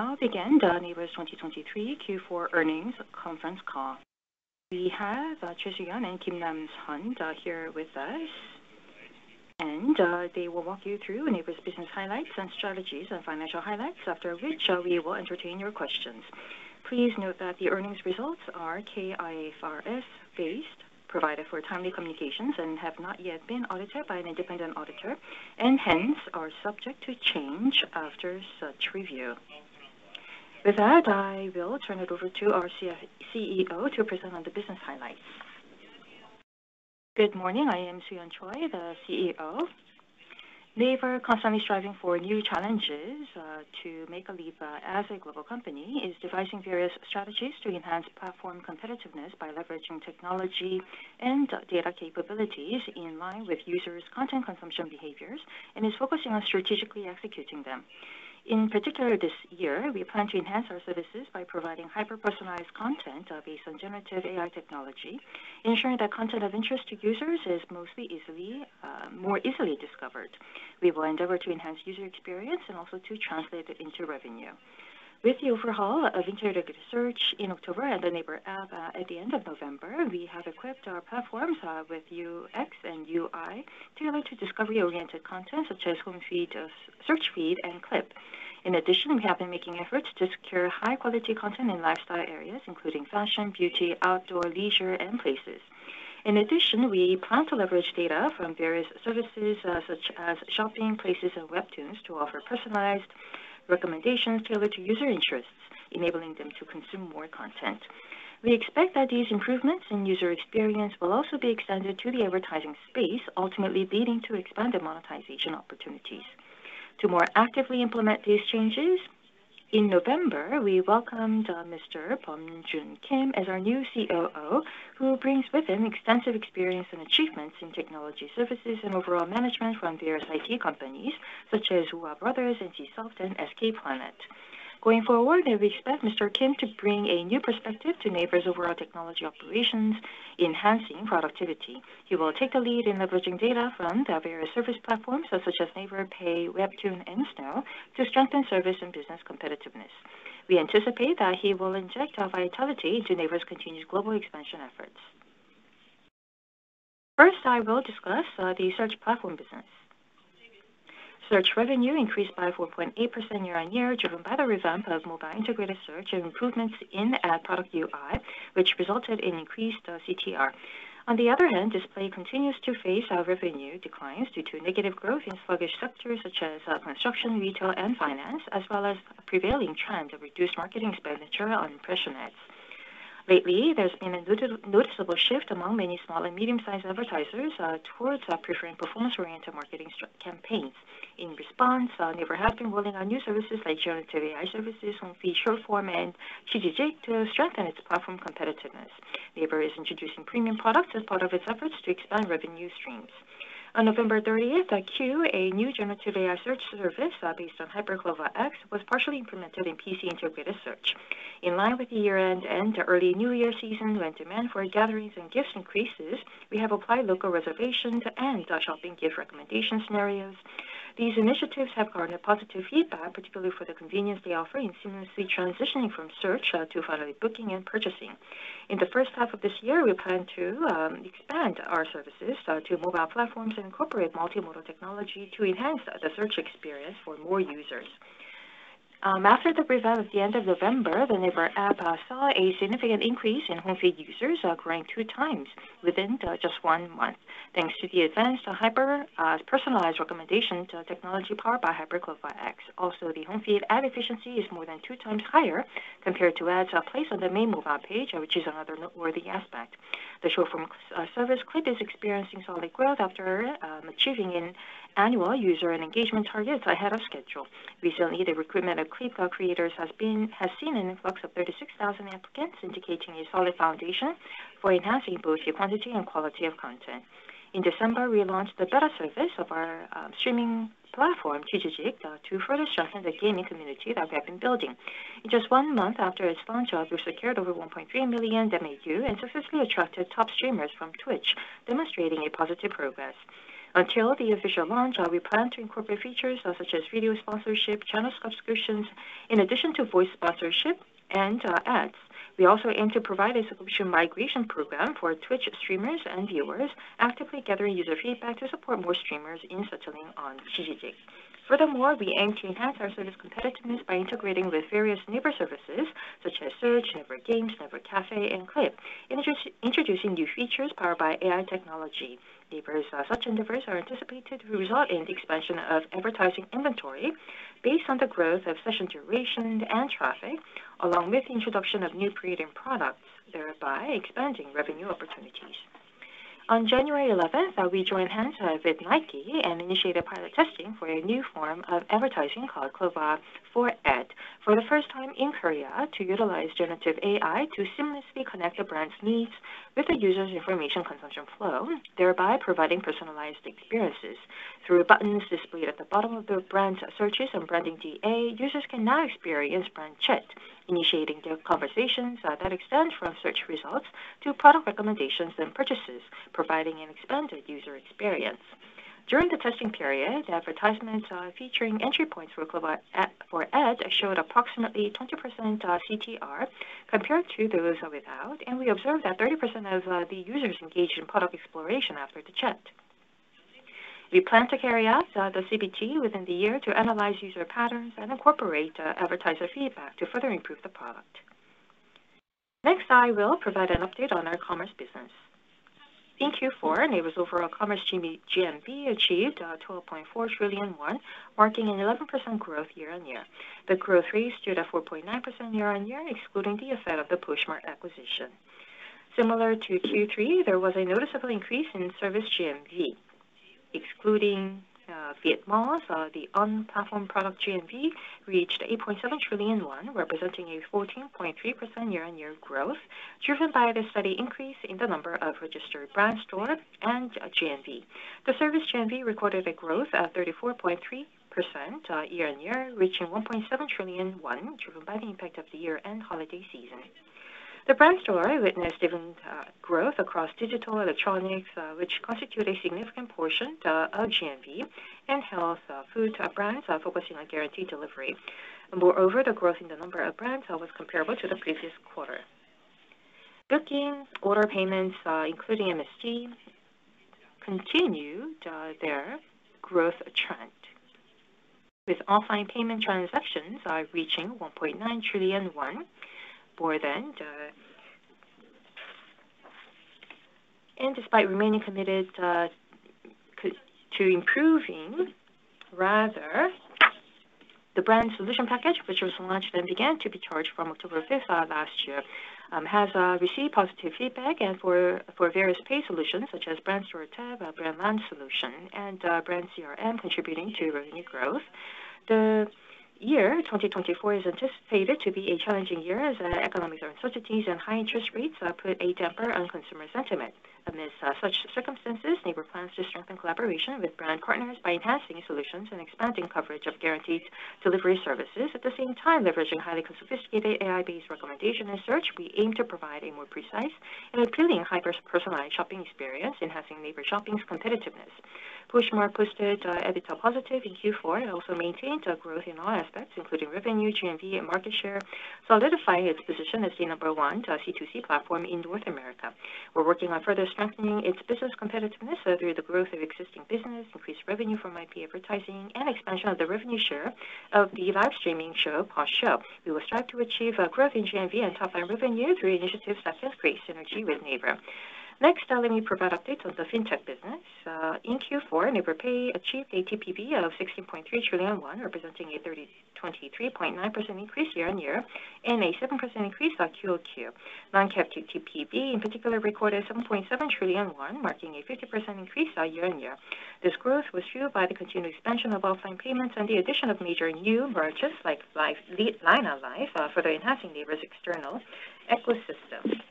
I'll begin Naver's 2023 Q4 earnings conference call. We have Choi Soo-yeon and Kim Nam-sun here with us, and they will walk you through Naver's business highlights and strategies and financial highlights, after which we will entertain your questions. Please note that the earnings results are K-IFRS-based, provided for timely communications, and have not yet been audited by an independent auditor, and hence are subject to change after such review. With that, I will turn it over to our CEO to present on the business highlights. Good morning. I am Soo-yeon Choi, the CEO. Naver, constantly striving for new challenges to make a leap as a global company, is devising various strategies to enhance platform competitiveness by leveraging technology and data capabilities in line with users' content consumption behaviors, and is focusing on strategically executing them. In particular, this year, we plan to enhance our services by providing hyper-personalized content based on generative AI technology, ensuring that content of interest to users is more easily discovered. We will endeavor to enhance user experience and also to translate it into revenue. With the overhaul of integrated search in October and the Naver app at the end of November, we have equipped our platforms with UX and UI tailored to discovery-oriented content such as home feed, search feed, and clip. In addition, we have been making efforts to secure high-quality content in lifestyle areas, including fashion, beauty, outdoor, leisure, and places. In addition, we plan to leverage data from various services, such as shopping, places, and webtoons, to offer personalized recommendations tailored to user interests, enabling them to consume more content. We expect that these improvements in user experience will also be extended to the advertising space, ultimately leading to expanded monetization opportunities. To more actively implement these changes, in November, we welcomed Mr. Kim Beom-jun as our new COO, who brings with him extensive experience and achievements in technology services and overall management from various IT companies, such as Woowa Brothers and NCSoft and SK Planet. Going forward, we expect Mr. Kim to bring a new perspective to Naver's overall technology operations, enhancing productivity. He will take a lead in leveraging data from the various service platforms, such as Naver Pay, Webtoon, and Snow, to strengthen service and business competitiveness. We anticipate that he will inject our vitality into Naver's continuous global expansion efforts. First, I will discuss the search platform business. Search revenue increased by 4.8% year-on-year, driven by the revamp of mobile integrated search and improvements in ad product UI, which resulted in increased CTR. On the other hand, display continues to face revenue declines due to negative growth in sluggish sectors such as construction, retail, and finance, as well as a prevailing trend of reduced marketing expenditure on impression ads. Lately, there's been a noticeable shift among many small and medium-sized advertisers towards preferring performance-oriented marketing campaigns. In response, Naver has been rolling out new services like generative AI services, home feed, short form, and CHZZK to strengthen its platform competitiveness. Naver is introducing premium products as part of its efforts to expand revenue streams. On November 30th, Cue: a new generative AI search service based on HyperCLOVA X, was partially implemented in PC integrated search. In line with the year-end and the early New Year season, when demand for gatherings and gifts increases, we have applied local reservations and shopping gift recommendation scenarios. These initiatives have garnered positive feedback, particularly for the convenience they offer in seamlessly transitioning from search to finally booking and purchasing. In the first half of this year, we plan to expand our services to mobile platforms and incorporate multimodal technology to enhance the search experience for more users. After the revamp at the end of November, the Naver App saw a significant increase in home feed users, growing 2x within just one month. Thanks to the advanced hyper-personalized recommendation technology powered by HyperCLOVA X. Also, the home feed ad efficiency is more than 2x higher compared to ads placed on the main mobile page, which is another noteworthy aspect. The short-form service, Clip, is experiencing solid growth after achieving an annual user and engagement targets ahead of schedule. Recently, the recruitment of Clip creators has seen an influx of 36,000 applicants, indicating a solid foundation for enhancing both the quantity and quality of content. In December, we launched the beta service of our streaming platform, CHZZK, to further strengthen the gaming community that we have been building. In just one month after its launch, we secured over 1.3 million MAU and successfully attracted top streamers from Twitch, demonstrating a positive progress. Until the official launch, we plan to incorporate features such as video sponsorship, channel subscriptions, in addition to voice sponsorship and ads. We also aim to provide a solution migration program for Twitch streamers and viewers, actively gathering user feedback to support more streamers in settling on CHZZK. Furthermore, we aim to enhance our service competitiveness by integrating with various Naver services such as Search, Naver Games, Naver Cafe, and Clip, introducing new features powered by AI technology. Naver's such endeavors are anticipated to result in the expansion of advertising inventory based on the growth of session duration and traffic, along with the introduction of new creative products, thereby expanding revenue opportunities. On January eleventh, we joined hands with Nike and initiated pilot testing for a new form of advertising called CLOVA for AD. For the first time in Korea to utilize generative AI to seamlessly connect the brand's needs with the user's information consumption flow, thereby providing personalized experiences. Through buttons displayed at the bottom of the brand's searches on Branding DA, users can now experience brand chat, initiating the conversations that extend from search results to product recommendations and purchases, providing an expanded user experience. During the testing period, advertisements featuring entry points for ads showed approximately 20% CTR compared to those without, and we observed that 30% of the users engaged in product exploration after the chat. We plan to carry out the CBT within the year to analyze user patterns and incorporate advertiser feedback to further improve the product. Next, I will provide an update on our commerce business. In Q4, NAVER's overall commerce GMV achieved 12.4 trillion won, marking an 11% growth year-on-year. The growth rate stood at 4.9% year-on-year, excluding the effect of the Poshmark acquisition. Similar to Q3, there was a noticeable increase in service GMV. Excluding Vietmall, so the on-platform product GMV reached 8.7 trillion won, representing a 14.3% year-on-year growth, driven by the steady increase in the number of registered brand stores and GMV. The service GMV recorded a growth of 34.3% year-on-year, reaching 1.7 trillion won, driven by the impact of the year-end holiday season. The Brand Store witnessed different growth across digital electronics, which constitute a significant portion of GMV and health food brands focusing on guaranteed delivery. Moreover, the growth in the number of brands was comparable to the previous quarter. Booking order payments, including MST, continued their growth trend, with offline payment transactions reaching 1.9 trillion won, more than the... And despite remaining committed to improving rather the Brand Solution Package, which was launched and began to be charged from October fifth last year, has received positive feedback and for various pay solutions such as Brand Store Tab, Brand Launch Solution, and Brand CRM, contributing to revenue growth. The year 2024 is anticipated to be a challenging year as economic uncertainties and high interest rates put a damper on consumer sentiment. Amidst such circumstances, Naver plans to strengthen collaboration with brand partners by enhancing solutions and expanding coverage of guaranteed delivery services. At the same time, leveraging highly sophisticated AI-based recommendation and search, we aim to provide a more precise and appealing hyper-personalized shopping experience, enhancing Naver Shopping's competitiveness. Poshmark posted EBITDA positive in Q4 and also maintained a growth in all aspects, including revenue, GMV, and market share, solidifying its position as the number one C2C platform in North America. We're working on further strengthening its business competitiveness through the growth of existing business, increased revenue from IP advertising, and expansion of the revenue share of the live streaming show, Posh Show. We will strive to achieve a growth in GMV and top-line revenue through initiatives that can create synergy with Naver. Next, let me provide updates on the fintech business. In Q4, Naver Pay achieved a TPV of 16.3 trillion won, representing a 23.9% increase year-on-year, and a 7% increase QoQ. Non-cap TPV, in particular, recorded 7.7 trillion won, marking a 50% increase year-on-year. This growth was fueled by the continued expansion of offline payments and the addition of major new merchants like Life and LINE Life further enhancing Naver's external ecosystem.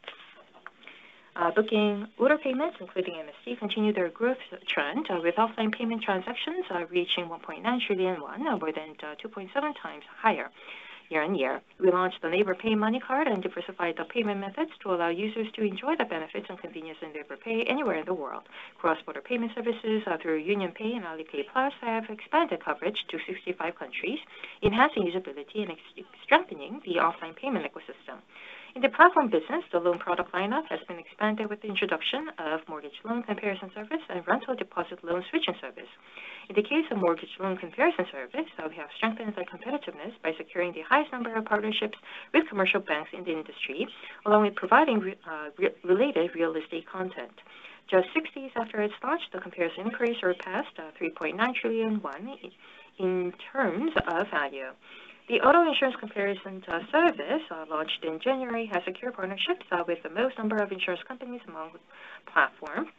Booking order payments, including MST, continued their growth trend, with offline payment transactions reaching 1.9 trillion won, more than 2.7 times higher year-on-year. We launched the Naver Pay Money Card and diversified the payment methods to allow users to enjoy the benefits and convenience of Naver Pay anywhere in the world. Cross-border payment services through UnionPay and Alipay Plus have expanded coverage to 65 countries, enhancing usability and strengthening the offline payment ecosystem. In the platform business, the loan product lineup has been expanded with the introduction of mortgage loan comparison service and rental deposit loan switching service. In the case of mortgage loan comparison service, we have strengthened our competitiveness by securing the highest number of partnerships with commercial banks in the industry, along with providing related real estate content. Just six days after its launch, the comparison inquiries surpassed 3.9 trillion won in terms of value. The auto insurance comparison service launched in January has secured partnerships with the most number of insurance companies among platform,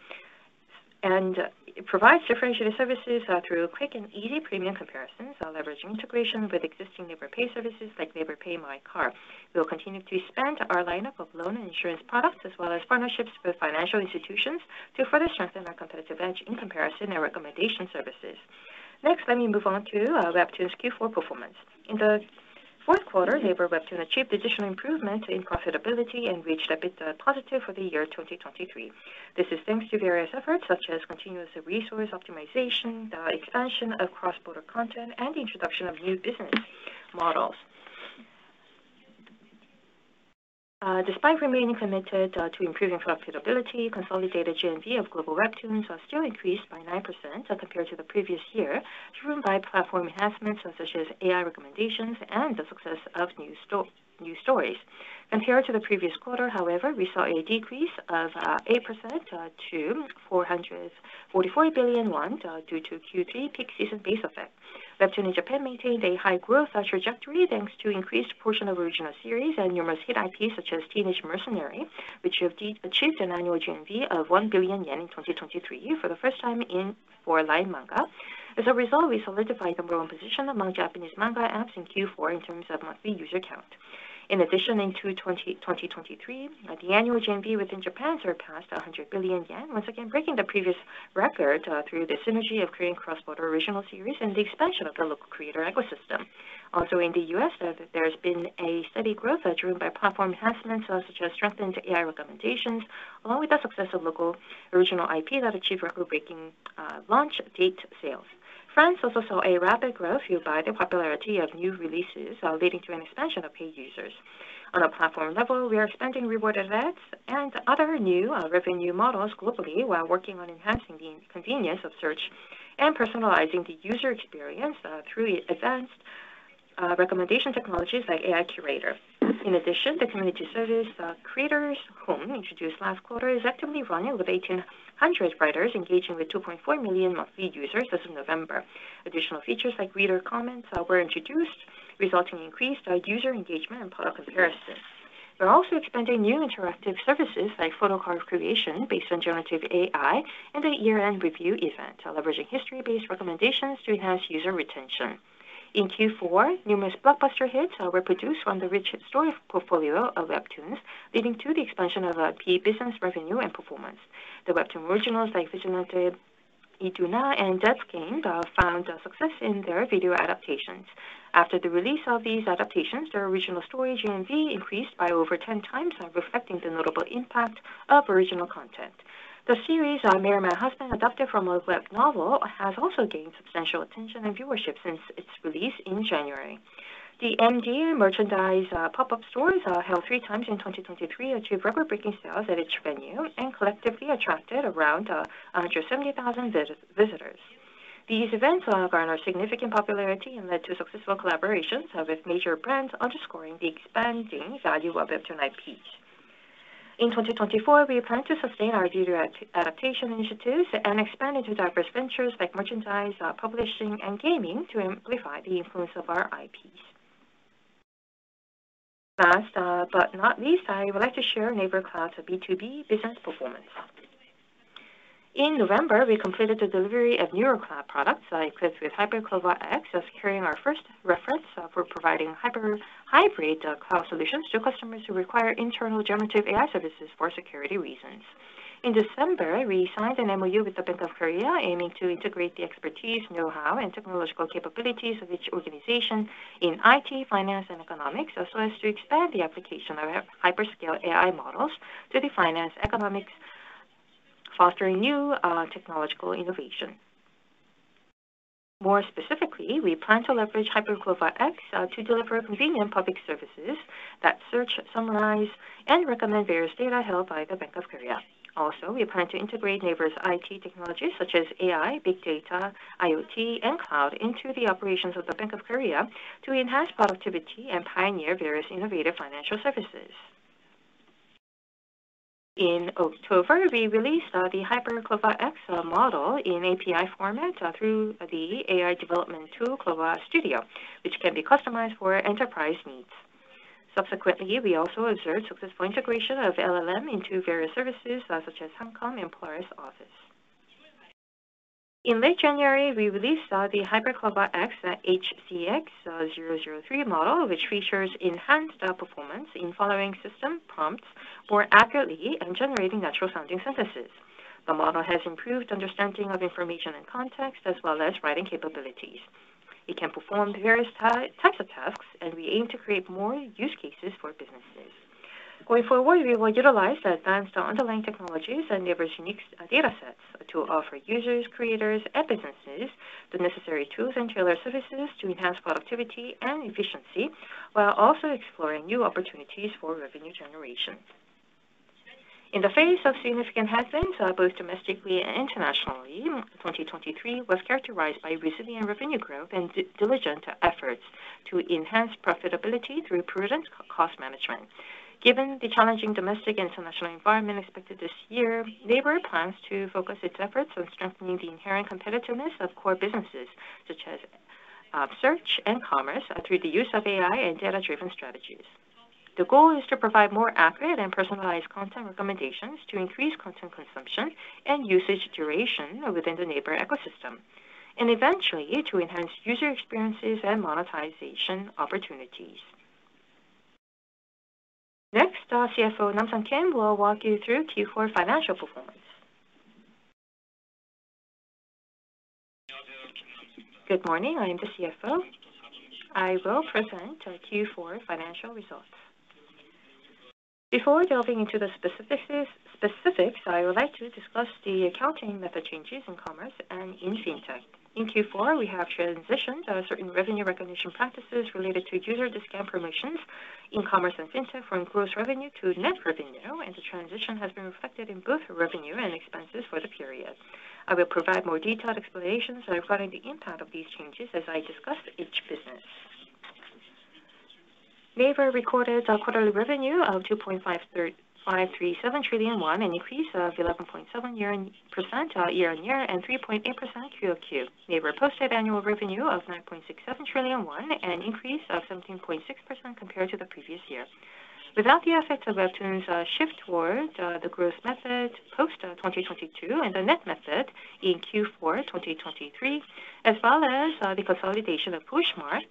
and it provides differentiated services through quick and easy premium comparisons leveraging integration with existing Naver Pay services like Naver Pay My Car. We will continue to expand our lineup of loan and insurance products, as well as partnerships with financial institutions, to further strengthen our competitive edge in comparison and recommendation services. Next, let me move on to Webtoon's Q4 performance. In the fourth quarter, Naver Webtoon achieved additional improvement in profitability and reached EBITDA positive for the year 2023. This is thanks to various efforts, such as continuous resource optimization, expansion of cross-border content, and the introduction of new business models. Despite remaining committed to improving profitability, consolidated GMV of global Webtoons still increased by 9% as compared to the previous year, driven by platform enhancements, such as AI recommendations and the success of new stories. Compared to the previous quarter, however, we saw a decrease of 8% to 444 billion won due to Q3 peak season base effect. Webtoon in Japan maintained a high growth trajectory, thanks to increased portion of original series and numerous hit IPs such as Teenage Mercenary, which indeed achieved an annual GMV of 1 billion yen in 2023 for the first time for LINE Manga. As a result, we solidified the growing position among Japanese manga apps in Q4 in terms of monthly user count. In addition, in 2023, the annual GMV within Japan surpassed 100 billion yen, once again breaking the previous record, through the synergy of creating cross-border original series and the expansion of the local creator ecosystem. Also in the U.S., there's been a steady growth driven by platform enhancements, such as strengthened AI recommendations, along with the success of local original IP that achieved record-breaking launch date sales. France also saw a rapid growth fueled by the popularity of new releases, leading to an expansion of paid users. On a platform level, we are expanding reward events and other new revenue models globally, while working on enhancing the convenience of search and personalizing the user experience, through advanced recommendation technologies like AI Curator. In addition, the community service, Creators Home, introduced last quarter, is actively running with 1,800 writers engaging with 2.4 million monthly users as of November. Additional features like reader comments were introduced, resulting in increased user engagement and product comparison. We're also expanding new interactive services like photo card creation based on generative AI and a year-end review event, leveraging history-based recommendations to enhance user retention. In Q4, numerous blockbuster hits were produced from the rich story portfolio of webtoons, leading to the expansion of our IP business revenue and performance. The webtoon originals like Vigilante, Doona!, and Death's Game found success in their video adaptations. After the release of these adaptations, their original story GMV increased by over 10 times, reflecting the notable impact of original content. The series, Marry My Husband, adapted from a web novel, has also gained substantial attention and viewership since its release in January. The MD merchandise pop-up stores, held three times in 2023, achieved record-breaking sales at each venue and collectively attracted around 170,000 visitors. These events garnered significant popularity and led to successful collaborations with major brands, underscoring the expanding value of webtoon IPs. In 2024, we plan to sustain our video adaptation initiatives and expand into diverse ventures like merchandise, publishing, and gaming to amplify the influence of our IPs. Last, but not least, I would like to share Naver Cloud's B2B business performance. In November, we completed the delivery of Neurocloud products, like CLOVA with HyperCLOVA X, securing our first reference for providing hyper-hybrid cloud solutions to customers who require internal generative AI services for security reasons. In December, we signed an MOU with the Bank of Korea, aiming to integrate the expertise, know-how, and technological capabilities of each organization in IT, finance, and economics, as well as to expand the application of our hyperscale AI models to the finance economics, fostering new technological innovation. More specifically, we plan to leverage HyperCLOVA X to deliver convenient public services that search, summarize, and recommend various data held by the Bank of Korea. Also, we plan to integrate Naver's IT technologies, such as AI, big data, IoT, and cloud into the operations of the Bank of Korea to enhance productivity and pioneer various innovative financial services. In October, we released the HyperCLOVA X model in API format through the AI development tool, CLOVA Studio, which can be customized for enterprise needs. Subsequently, we also observed successful integration of LLM into various services, such as Hancom and Polaris Office. In late January, we released the HyperCLOVA X HCX-003 model, which features enhanced performance in following system prompts more accurately and generating natural-sounding sentences. The model has improved understanding of information and context, as well as writing capabilities. It can perform various types of tasks, and we aim to create more use cases for businesses. Going forward, we will utilize advanced underlying technologies and Naver's unique datasets to offer users, creators, and businesses the necessary tools and tailored services to enhance productivity and efficiency, while also exploring new opportunities for revenue generation. In the face of significant headwinds, both domestically and internationally, 2023 was characterized by resilient revenue growth and diligent efforts to enhance profitability through prudent cost management. Given the challenging domestic and international environment expected this year, Naver plans to focus its efforts on strengthening the inherent competitiveness of core businesses, such as search and commerce, through the use of AI and data-driven strategies. The goal is to provide more accurate and personalized content recommendations to increase content consumption and usage duration within the Naver ecosystem, and eventually to enhance user experiences and monetization opportunities. Next, CFO Nam-sun Kim will walk you through Q4 financial performance. Good morning, I am the CFO. I will present our Q4 financial results. Before delving into the specifics, I would like to discuss the accounting method changes in commerce and in fintech. In Q4, we have transitioned certain revenue recognition practices related to user discount promotions in commerce and fintech from gross revenue to net revenue, and the transition has been reflected in both revenue and expenses for the period. I will provide more detailed explanations regarding the impact of these changes as I discuss each business. Naver recorded a quarterly revenue of 2.537 trillion won, an increase of 11.7% year-on-year, and 3.8% QoQ. Naver posted annual revenue of 9.67 trillion won, an increase of 17.6% compared to the previous year. Without the effects of webtoons, shift towards, the gross method post, 2022 and the net method in Q4 2023, as well as, the consolidation of Poshmark,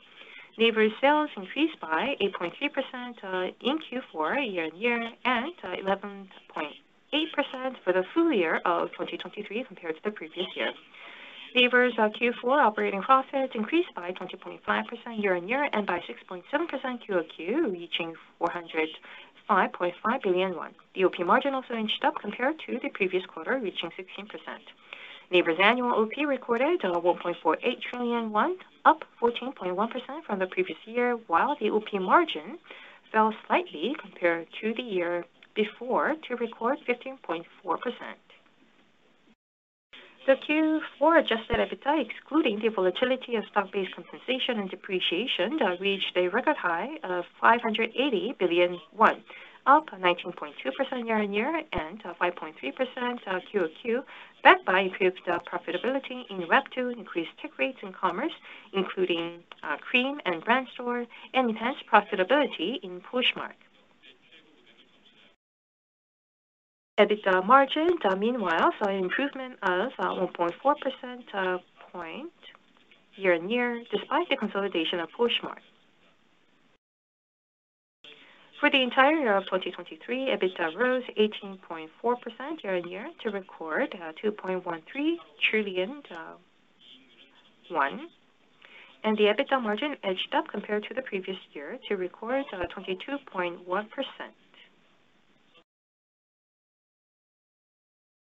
NAVER's sales increased by 8.3%, in Q4 year-on-year and, 11.8% for the full year of 2023 compared to the previous year. NAVER's, Q4 operating profit increased by 20.5% year-on-year and by 6.7% QoQ, reaching 405.5 billion won. The OP margin also inched up compared to the previous quarter, reaching 16%. NAVER's annual OP recorded, 1.48 trillion won, up 14.1% from the previous year, while the OP margin fell slightly compared to the year before to record 15.4%. The Q4 adjusted EBITDA, excluding the volatility of stock-based compensation and depreciation, reached a record high of 580 billion won, up 19.2% year-on-year and 5.3% QoQ, backed by improved profitability in Webtoon, increased tech rates in commerce, including KREAM and Brand Store, and enhanced profitability in Poshmark. EBITDA margin, meanwhile, saw an improvement of 1.4 percentage points year-on-year, despite the consolidation of Poshmark. For the entire year of 2023, EBITDA rose 18.4% year-on-year to record KRW 2.13 trillion, and the EBITDA margin edged up compared to the previous year to record 22.1%.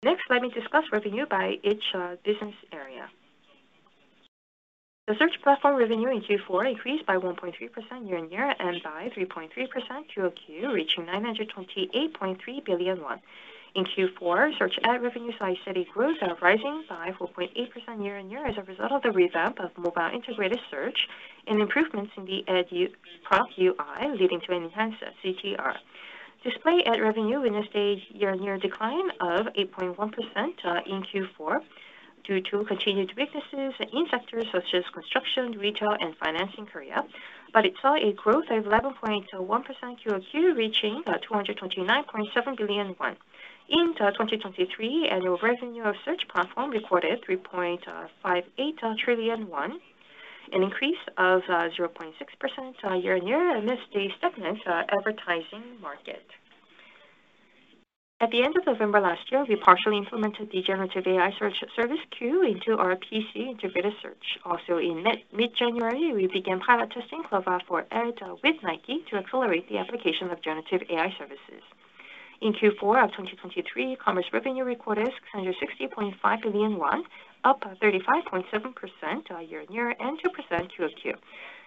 Next, let me discuss revenue by each business area. The search platform revenue in Q4 increased by 1.3% year-on-year and by 3.3% QoQ, reaching 928.3 billion won. In Q4, search ad revenues saw a steady growth, rising by 4.8% year-on-year as a result of the revamp of mobile integrated search and improvements in the ad UI/UX, leading to an enhanced CTR. Display ad revenue witnessed a year-on-year decline of 8.1%, in Q4 due to continued weaknesses in sectors such as construction, retail, and finance in Korea, but it saw a growth of 11.1% QoQ, reaching 229.7 billion. In 2023, annual revenue of search platform recorded 3.58 trillion won, an increase of 0.6% year-on-year amidst a stagnant advertising market. At the end of November last year, we partially implemented the generative AI search service Cue into our PC integrated search. Also, in mid-January, we began pilot testing CLOVA for AD with Nike to accelerate the application of generative AI services. In Q4 of 2023, commerce revenue recorded 660.5 billion won, up 35.7% year-on-year, and 2% QoQ.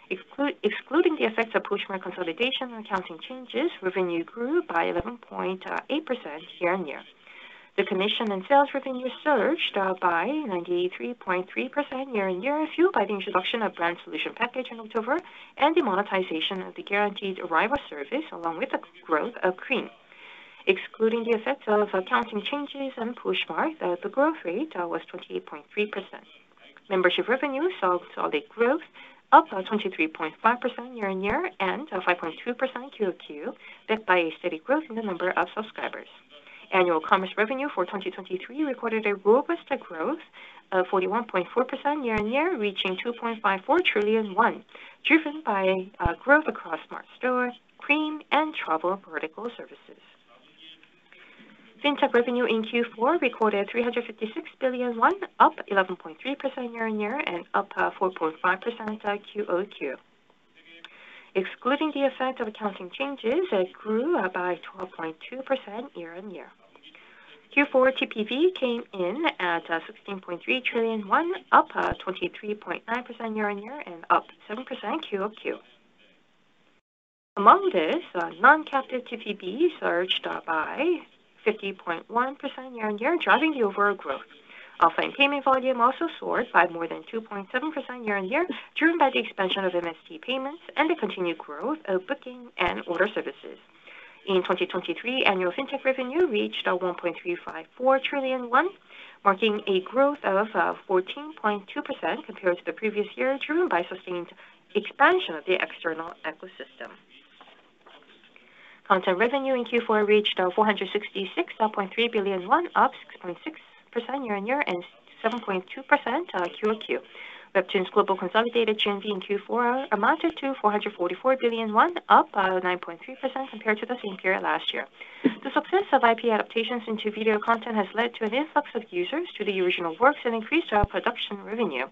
Excluding the effects of Poshmark consolidation and accounting changes, revenue grew by 11.8% year-on-year. The commission and sales revenue surged by 93.3% year-over-year, fueled by the introduction of Brand Solution Package in October and the monetization of the guaranteed arrival service, along with the growth of KREAM. Excluding the effects of accounting changes in Poshmark, the growth rate was 28.3%. Membership revenue saw a growth of 23.5% year-over-year and 5.2% QoQ, backed by a steady growth in the number of subscribers. Annual commerce revenue for 2023 recorded a robust growth of 41.4% year-over-year, reaching 2.54 trillion won, driven by growth across Smart Store, KREAM, and travel vertical services. Fintech revenue in Q4 recorded 356 billion won, up 11.3% year-over-year and up 4.5% QoQ. Excluding the effect of accounting changes, it grew by 12.2% year-on-year. Q4 TPV came in at 16.3 trillion won, up 23.9% year-on-year and up 7% QoQ. Among this, non-captive TPV surged by 50.1% year-on-year, driving the overall growth. Offline payment volume also soared by more than 2.7% year-on-year, driven by the expansion of MST payments and the continued growth of booking and order services. In 2023, annual fintech revenue reached 1.354 trillion won, marking a growth of 14.2% compared to the previous year, driven by sustained expansion of the external ecosystem. Content revenue in Q4 reached 466.3 billion won, up 6.6% year-on-year and 7.2% QoQ. Webtoons global consolidated GMV in Q4 amounted to 444 billion won, up 9.3% compared to the same period last year. The success of IP adaptations into video content has led to an influx of users to the original works and increased production revenue.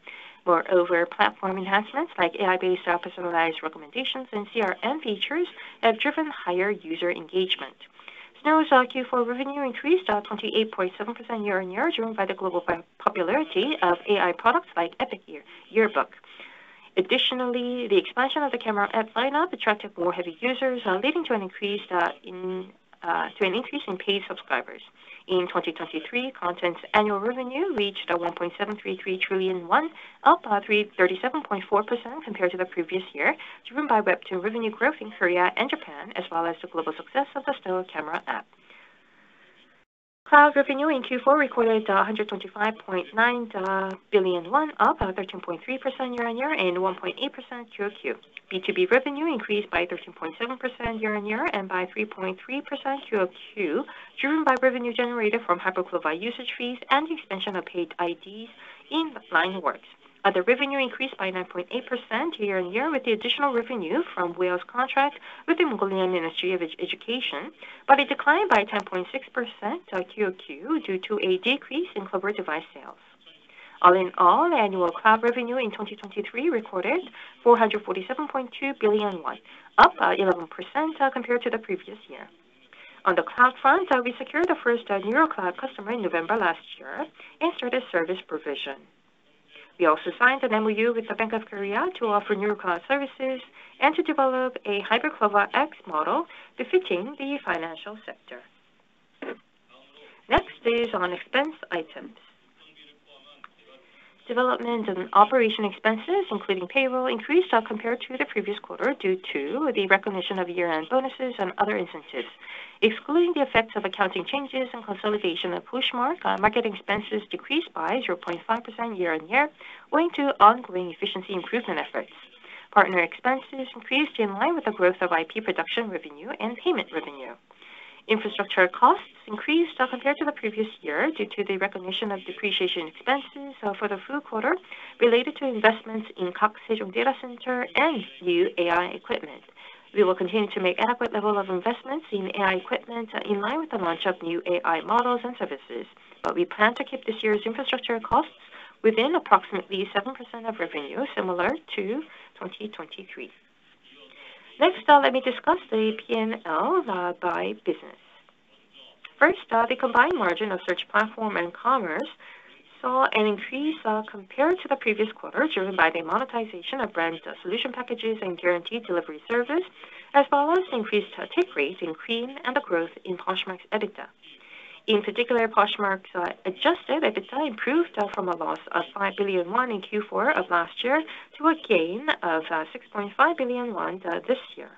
Moreover, platform enhancements like AI-based personalized recommendations and CRM features have driven higher user engagement. Snow's Q4 revenue increased 28.7% year-on-year, driven by the global popularity of AI products like AI Yearbook. Additionally, the expansion of the camera app lineup attracted more heavy users, leading to an increase in paid subscribers. In 2023, content's annual revenue reached 1.733 trillion, up 337.4% compared to the previous year, driven by Webtoon revenue growth in Korea and Japan, as well as the global success of the Snow camera app. Cloud revenue in Q4 recorded 125.9 billion won, up 13.3% year-on-year and 1.8% QoQ. B2B revenue increased by 13.7% year-on-year and by 3.3% QoQ, driven by revenue generated from HyperCLOVA usage fees and the expansion of paid IDs in LINE Works. Other revenue increased by 9.8% year-over-year, with the additional revenue from Whale contract with the Mongolian Ministry of Education, but it declined by 10.6%, QoQ, due to a decrease in CLOVA device sales. All in all, annual cloud revenue in 2023 recorded 447.2 billion won, up by 11%, compared to the previous year. On the cloud front, we secured the first Neurocloud customer in November last year and started service provision. We also signed an MOU with the Bank of Korea to offer Neurocloud services and to develop a HyperCLOVA X model befitting the financial sector. Next is on expense items. Development and operation expenses, including payroll, increased compared to the previous quarter due to the recognition of year-end bonuses and other incentives. Excluding the effects of accounting changes and consolidation of Poshmark, marketing expenses decreased by 0.5% year-over-year, owing to ongoing efficiency improvement efforts. Partner expenses increased in line with the growth of IP production revenue and payment revenue. Infrastructure costs increased compared to the previous year due to the recognition of depreciation expenses, for the full quarter related to investments in Gak Sejong Data Center and new AI equipment. We will continue to make adequate level of investments in AI equipment in line with the launch of new AI models and services, but we plan to keep this year's infrastructure costs within approximately 7% of revenue, similar to 2023. Next, let me discuss the P&L, by business. First, the combined margin of search platform and commerce saw an increase compared to the previous quarter, driven by the monetization of brand solution packages and guaranteed delivery service, as well as increased take rates in KREAM and the growth in Poshmark's EBITDA. In particular, Poshmark's adjusted EBITDA improved from a loss of 5 billion won in Q4 of last year to a gain of 6.5 billion won this year.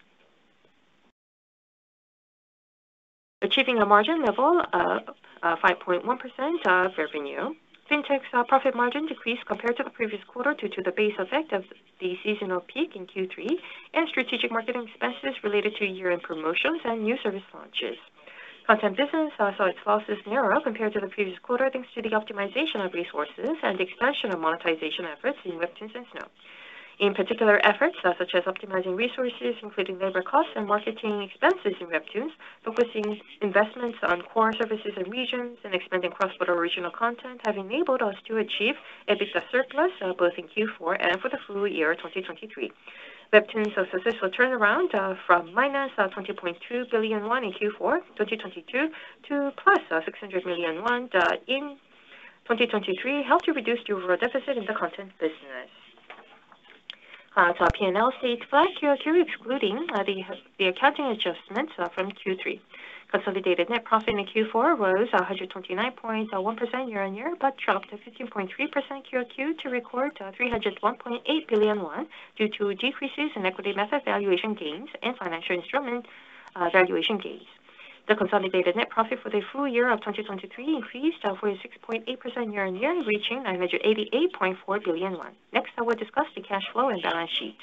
Achieving a margin level of 5.1%, revenue, Fintech's profit margin decreased compared to the previous quarter due to the base effect of the seasonal peak in Q3, and strategic marketing expenses related to year-end promotions and new service launches. Content business saw its losses narrow compared to the previous quarter, thanks to the optimization of resources and the expansion of monetization efforts in Webtoons and Snow. In particular, efforts such as optimizing resources, including labor costs and marketing expenses in Webtoons, focusing investments on core services and regions, and expanding cross-border original content, have enabled us to achieve EBITDA surplus both in Q4 and for the full year 2023. Webtoons' successful turnaround from -20.2 billion won in Q4 2022 to +600 million won in 2023 helped to reduce the overall deficit in the content business. P&L stayed flat QoQ, excluding the accounting adjustments from Q3. Consolidated net profit in Q4 rose 129.1% year-on-year, but dropped to 15.3% QoQ to record 301.8 billion won, due to decreases in equity method valuation gains and financial instrument valuation gains. The consolidated net profit for the full year of 2023 increased 46.8% year-on-year, reaching 988.4 billion won. Next, I will discuss the cash flow and balance sheet.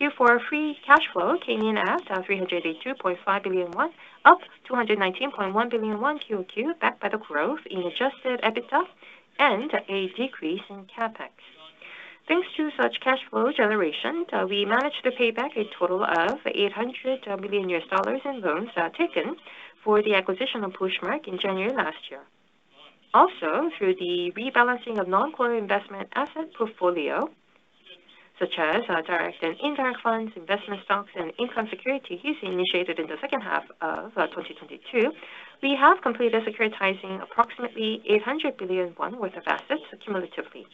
Q4 free cash flow came in at 382.5 billion won, up 219.1 billion won QoQ, backed by the growth in adjusted EBITDA and a decrease in CapEx. Thanks to such cash flow generation, we managed to pay back a total of $800 million in loans taken for the acquisition of Poshmark in January last year. Also, through the rebalancing of non-core investment asset portfolio, such as direct and indirect funds, investment stocks, and income security issued, initiated in the second half of 2022, we have completed securitizing approximately 800 billion won worth of assets cumulatively.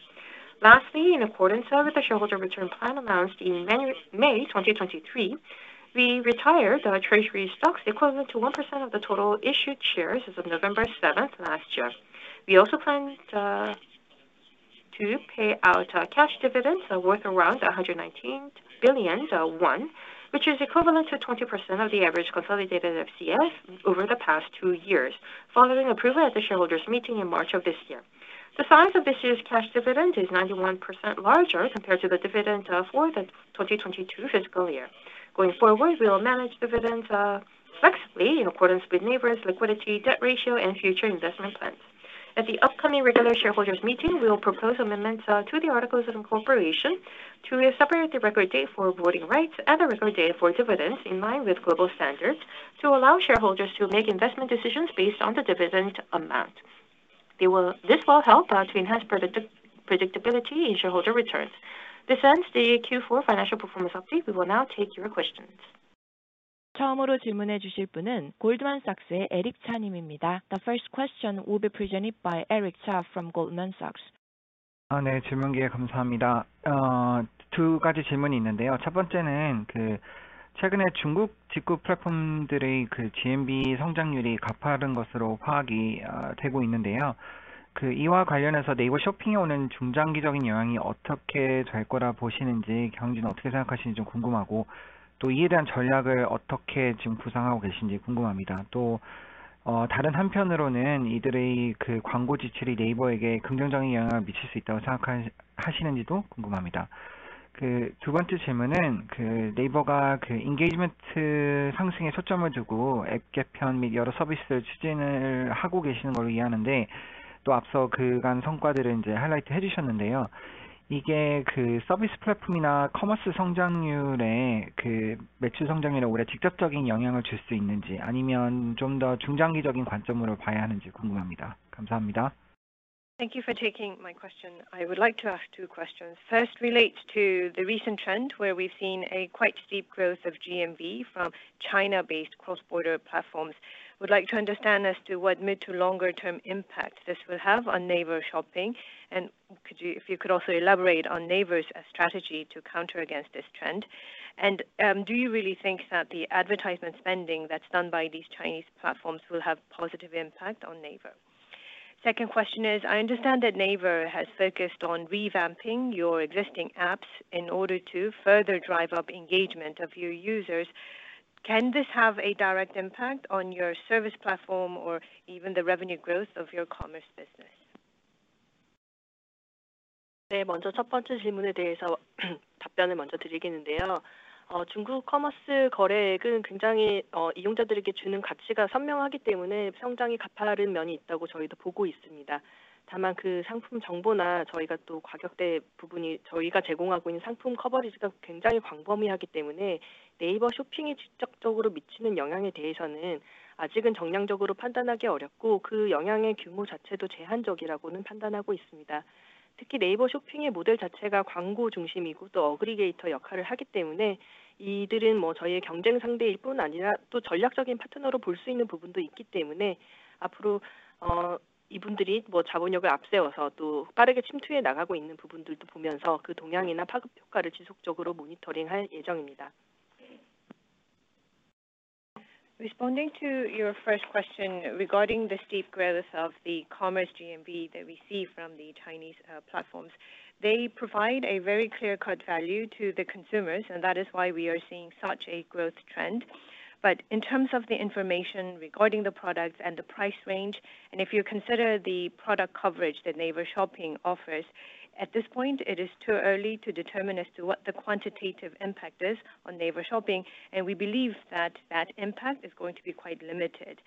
Lastly, in accordance with the shareholder return plan announced in May 2023, we retired our treasury stocks equivalent to 1% of the total issued shares as of November 7th last year. We also planned to pay out cash dividends worth around 119 billion won, which is equivalent to 20% of the average consolidated FCF over the past two years, following approval at the shareholders meeting in March of this year. The size of this year's cash dividend is 91% larger compared to the dividend for the 2022 fiscal year. Going forward, we will manage dividends flexibly in accordance with Naver's liquidity, debt ratio, and future investment plans. At the upcoming regular shareholders meeting, we will propose amendments to the articles of incorporation to separate the record date for voting rights and the record date for dividends in line with global standards, to allow shareholders to make investment decisions based on the dividend amount. This will help to enhance predictability in shareholder returns. This ends the Q4 financial performance update. We will now take your questions. The first question will be presented by Eric Cha from Goldman Sachs. Thank you. ...이게 그 서비스 플랫폼이나 커머스 성장률에 그 매출 성장률에 올해 직접적인 영향을 줄수 있는지, 아니면 좀더 중장기적인 관점으로 봐야 하는지 궁금합니다. 감사합니다. Thank you for taking my question. I would like to ask two questions. First, relates to the recent trend, where we've seen a quite steep growth of GMV from China-based cross-border platforms. Would like to understand as to what mid to longer term impact this will have on Naver Shopping, and could you, if you could also elaborate on Naver's strategy to counter against this trend? And, do you really think that the advertisement spending that's done by these Chinese platforms will have positive impact on Naver? Second question is, I understand that Naver has focused on revamping your existing apps in order to further drive up engagement of your users. Can this have a direct impact on your service platform or even the revenue growth of your commerce business? 네, 먼저 첫 번째 질문에 대해서 답변을 먼저 드리겠는데요. 중국 커머스 거래액은 굉장히, 이용자들에게 주는 가치가 선명하기 때문에 성장이 가파른 면이 있다고 저희도 보고 있습니다. 다만, 그 상품 정보나 저희가 또 가격대 부분이 저희가 제공하고 있는 상품 커버리지가 굉장히 광범위하기 때문에 네이버 쇼핑이 직접적으로 미치는 영향에 대해서는 아직은 정량적으로 판단하기 어렵고, 그 영향의 규모 자체도 제한적이라고는 판단하고 있습니다. 특히 네이버 쇼핑의 모델 자체가 광고 중심이고, 또 어그리게이터 역할을 하기 때문에 이들은 뭐 저희의 경쟁 상대일 뿐 아니라, 또 전략적인 파트너로 볼수 있는 부분도 있기 때문에, 앞으로, 이분들이 뭐 자본력을 앞세워서 또 빠르게 침투해 나가고 있는 부분들도 보면서 그 동향이나 파급 효과를 지속적으로 모니터링할 예정입니다. Responding to your first question regarding the steep growth of the commerce GMV that we see from the Chinese platforms, they provide a very clear-cut value to the consumers, and that is why we are seeing such a growth trend. But in terms of the information regarding the products and the price range, and if you consider the product coverage that Naver Shopping offers, at this point, it is too early to determine as to what the quantitative impact is on Naver Shopping, and we believe that that impact is going to be quite limited.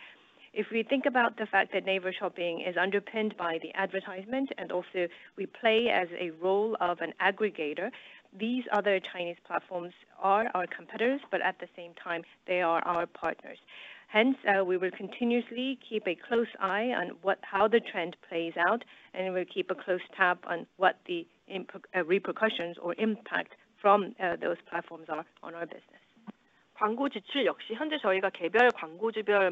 If we think about the fact that Naver Shopping is underpinned by the advertisement, and also we play as a role of an aggregator, these other Chinese platforms are our competitors, but at the same time, they are our partners. Hence, we will continuously keep a close eye on how the trend plays out, and we'll keep a close tab on what the repercussions or impact from those platforms are on our business. 광고 지출 역시 현재 저희가 개별 광고주별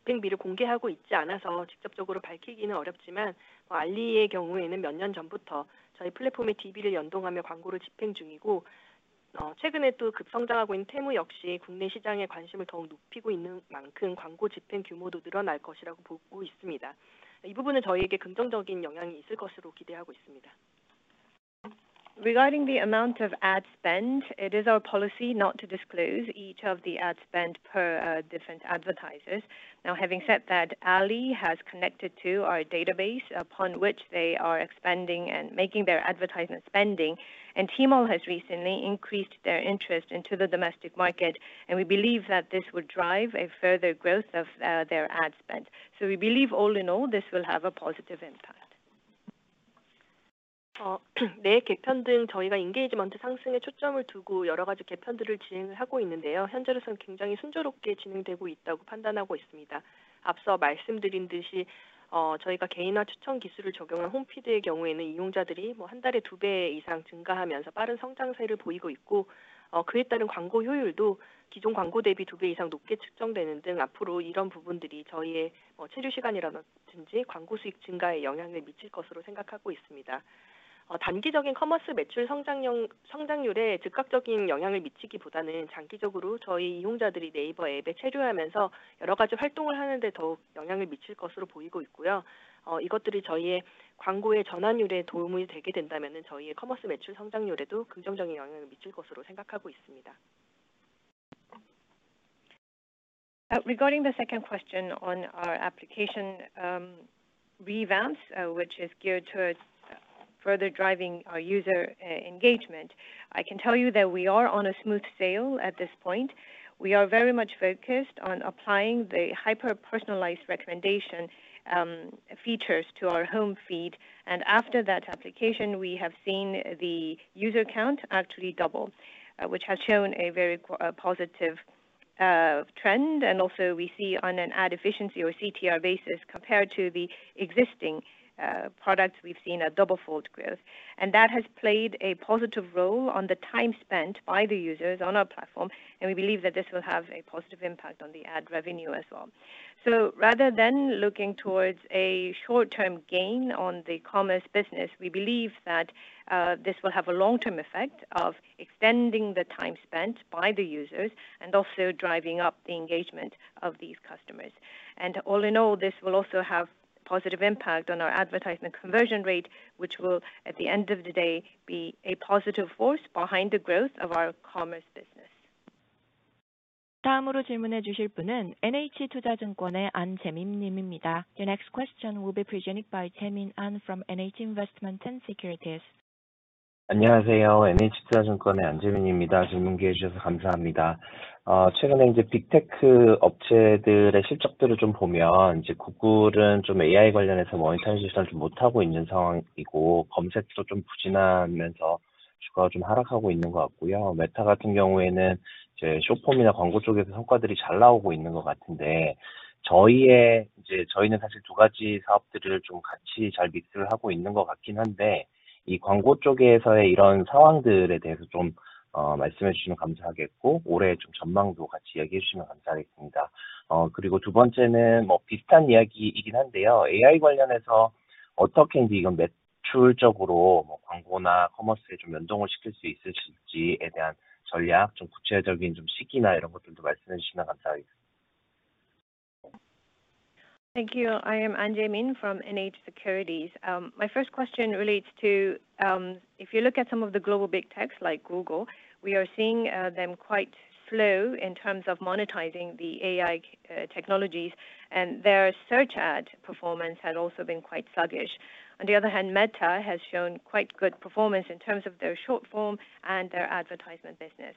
집행비를 공개하고 있지 않아서 직접적으로 밝히기는 어렵지만, 알리의 경우에는 몇년 전부터 저희 플랫폼의 DB를 연동하며 광고를 집행 중이고, 최근에 또 급성장하고 있는 테무 역시 국내 시장에 관심을 더욱 높이고 있는 만큼 광고 집행 규모도 늘어날 것이라고 보고 있습니다. 이 부분은 저희에게 긍정적인 영향이 있을 것으로 기대하고 있습니다. Regarding the amount of ad spend, it is our policy not to disclose each of the ad spend per different advertisers. Now, having said that, AliExpress has connected to our database, upon which they are expanding and making their advertisement spending, and Temu has recently increased their interest into the domestic market, and we believe that this will drive a further growth of their ad spend. So we believe, all in all, this will have a positive impact. 네이버 앱 개편 등 저희가 인게이지먼트 상승에 초점을 두고 여러 가지 개편들을 진행을 하고 있는데요. 현재로서는 굉장히 순조롭게 진행되고 있다고 판단하고 있습니다. 앞서 말씀드린 듯이, 저희가 개인화 추천 기술을 적용한 홈피드의 경우에는 이용자들이 한 달에 2배 이상 증가하면서 빠른 성장세를 보이고 있고, 그에 따른 광고 효율도 기존 광고 대비 2배 이상 높게 측정되는 등, 앞으로 이런 부분들이 저희의 체류 시간이라든지, 광고 수익 증가에 영향을 미칠 것으로 생각하고 있습니다. 단기적인 커머스 매출 성장률에 즉각적인 영향을 미치기보다는 장기적으로 저희 이용자들이 네이버 앱에 체류하면서 여러 가지 활동을 하는 데 더욱 영향을 미칠 것으로 보이고 있고요. 이것들이 저희의 광고의 전환율에 도움이 되게 된다면, 저희의 커머스 매출 성장률에도 긍정적인 영향을 미칠 것으로 생각하고 있습니다. Regarding the second question on our application revamps, which is geared towards further driving our user engagement, I can tell you that we are on smooth sailing at this point. We are very much focused on applying the hyper-personalized recommendation features to our home feed, and after that application, we have seen the user count actually double, which has shown a very positive trend. Also we see on an ad efficiency or CTR basis, compared to the existing products, we've seen a twofold growth. That has played a positive role on the time spent by the users on our platform, and we believe that this will have a positive impact on the ad revenue as well. Rather than looking towards a short-term gain on the commerce business, we believe that this will have a long-term effect of extending the time spent by the users and also driving up the engagement of these customers. All in all, this will also have positive impact on our advertisement conversion rate, which will, at the end of the day, be a positive force behind the growth of our commerce business. 다음으로 질문해 주실 분은 NH 투자증권의 안재민 님입니다. Your next question will be presented by Jaemin An from NH Investment & Securities. 안녕하세요. NH투자증권의 안재민입니다. 질문 기회 주셔서 감사합니다. 최근에 이제 빅테크 업체들의 실적들을 좀 보면 이제 구글은 좀 AI 관련해서 머니타이징을 잘 못하고 있는 상황이고, 검색도 좀 부진하면서 주가가 좀 하락하고 있는 것 같고요. 메타 같은 경우에는 이제 숏폼이나 광고 쪽에서 성과들이 잘 나오고 있는 것 같은데, 저희의 이제 저희는 사실 두 가지 사업들을 좀 같이 잘 믹스를 하고 있는 것 같긴 한데, 이 광고 쪽에서의 이런 상황들에 대해서 좀 말씀해 주시면 감사하겠고, 올해 좀 전망도 같이 이야기해 주시면 감사하겠습니다. 그리고 두 번째는 뭐 비슷한 이야기이긴 한데요. AI 관련해서 어떻게 이제 이건 매출적으로 뭐 광고나 커머스에 좀 연동을 시킬 수 있으실지에 대한 전략, 좀 구체적인 좀 시기나 이런 것들도 말씀해 주시면 감사하겠습니다. Thank you. I am Jaemin An from NH Investment & Securities. My first question relates to... if you look at some of the global Big Techs like Google, we are seeing them quite slow in terms of monetizing the AI technologies, and their search ad performance has also been quite sluggish. On the other hand, Meta has shown quite good performance in terms of their short form and their advertisement business,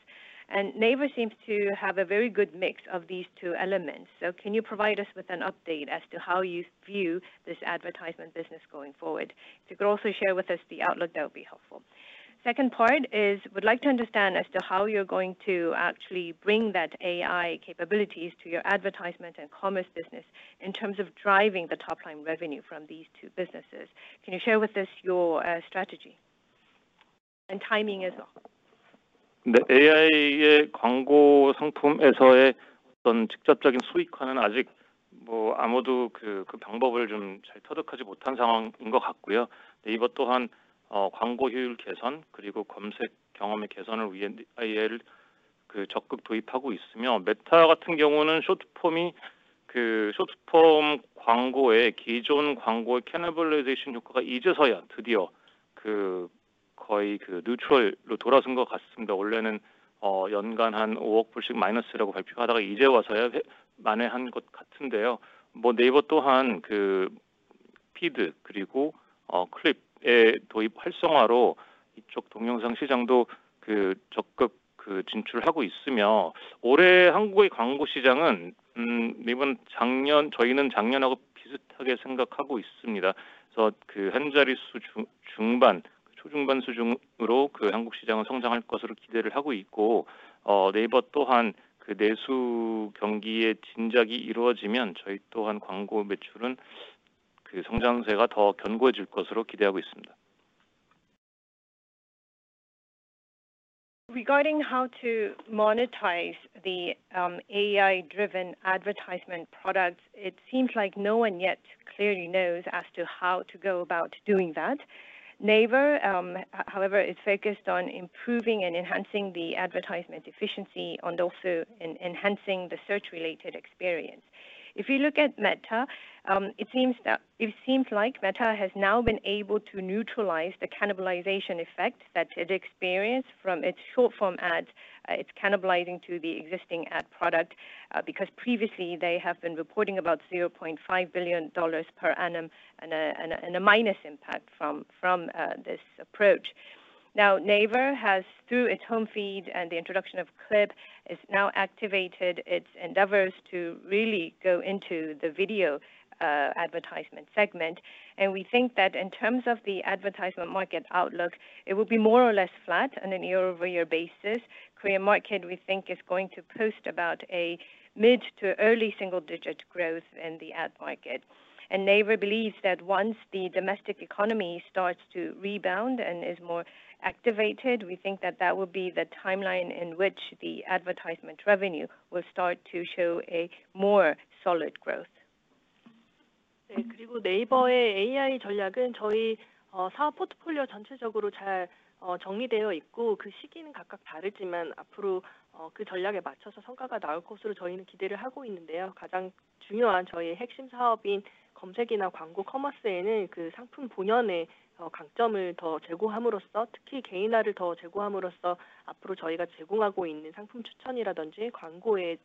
and Naver seems to have a very good mix of these two elements. So can you provide us with an update as to how you view this advertisement business going forward? If you could also share with us the outlook, that would be helpful. Second part is, we'd like to understand as to how you're going to actually bring that AI capabilities to your advertisement and commerce business in terms of driving the top line revenue from these two businesses. Can you share with us your strategy and timing as well? 네, AI의 광고 상품에서의 어떤 직접적인 수익화는 아직 아무도 그 방법을 좀잘 터득하지 못한 상황인 것 같고요. 네이버 또한 광고 효율 개선 그리고 검색 경험의 개선을 위한 AI를 적극 도입하고 있으며, 메타 같은 경우는 쇼트폼이 쇼트폼 광고의 기존 광고의 cannibalization 효과가 이제서야 드디어 거의 뉴트럴로 돌아선 것 같습니다. 원래는 연간 $150 million씩 마이너스라고 발표하다가 이제 와서야 만회한 것 같은데요. 네이버 또한 피드 그리고 클립의 도입 활성화로 이쪽 동영상 시장도 적극 진출하고 있으며, 올해 한국의 광고 시장은 네이버는 작년, 저희는 작년하고 비슷하게 생각하고 있습니다. 그래서 한 자릿수 중반, 초중반 수준으로 한국 시장은 성장할 것으로 기대하고 있고, 네이버 또한 내수 경기의 진작이 이루어지면, 저희 또한 광고 매출은 성장세가 더 견고해질 것으로 기대하고 있습니다. Regarding how to monetize the AI-driven advertisement products, it seems like no one yet clearly knows as to how to go about doing that. Naver, however, is focused on improving and enhancing the advertisement efficiency and also enhancing the search-related experience. If you look at Meta, it seems that it seems like Meta has now been able to neutralize the cannibalization effect that it experienced from its short form ads. It's cannibalizing to the existing ad product, because previously they have been reporting about $0.5 billion per annum and a minus impact from this approach. Now, Naver has, through its home feed and the introduction of Clip, activated its endeavors to really go into the video advertisement segment. We think that in terms of the advertisement market outlook, it will be more or less flat on a year-over-year basis. Korean market, we think, is going to post about a mid- to early-single-digit growth in the ad market. Naver believes that once the domestic economy starts to rebound and is more activated, we think that that will be the timeline in which the advertisement revenue will start to show a more solid growth. 네, 그리고 네이버의 AI 전략은 저희 사업 포트폴리오 전체적으로 잘 정리되어 있고, 그 시기는 각각 다르지만, 앞으로 그 전략에 맞춰서 성과가 나올 것으로 저희는 기대를 하고 있는데요. 가장 중요한 저희의 핵심 사업인 검색이나 광고, 커머스에는 그 상품 본연의 강점을 더 제고함으로써, 특히 개인화를 더 제고함으로써, 앞으로 저희가 제공하고 있는 상품 추천이라든지, 광고의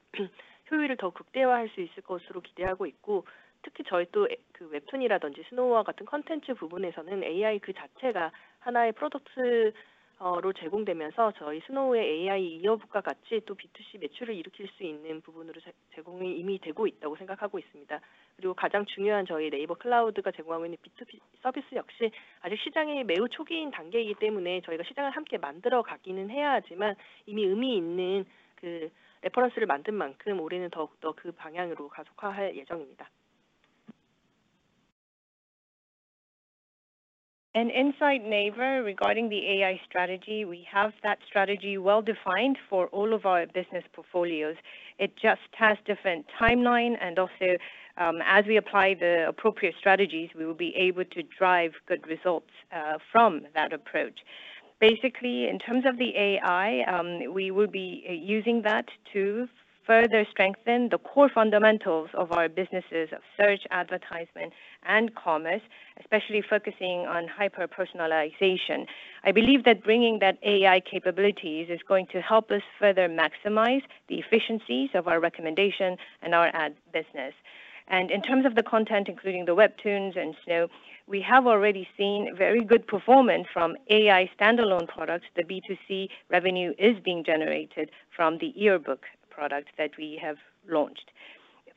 효율을 더 극대화할 수 있을 것으로 기대하고 있고, 특히 저희 또그 웹툰이라든지, 스노우와 같은 콘텐츠 부분에서는 AI 그 자체가 하나의 프로덕트로 제공되면서, 저희 스노우의 AI 이어북과 같이 또 B2C 매출을 일으킬 수 있는 부분으로 제공이 이미 되고 있다고 생각하고 있습니다. 그리고 가장 중요한 저희 네이버 클라우드가 제공하고 있는 B2B 서비스 역시 아직 시장이 매우 초기인 단계이기 때문에, 저희가 시장을 함께 만들어 가기는 해야 하지만, 이미 의미 있는 그 레퍼런스를 만든 만큼 올해는 더욱더 그 방향으로 가속화할 예정입니다. Inside NAVER, regarding the AI strategy, we have that strategy well-defined for all of our business portfolios. It just has different timeline, and also, as we apply the appropriate strategies, we will be able to drive good results from that approach. Basically, in terms of the AI, we will be using that to further strengthen the core fundamentals of our businesses of search, advertisement, and commerce, especially focusing on hyper-personalization. I believe that bringing that AI capabilities is going to help us further maximize the efficiencies of our recommendations and our ad business. And in terms of the content, including the Webtoons and Snow, we have already seen very good performance from AI standalone products. The B2C revenue is being generated from the yearbook products that we have launched....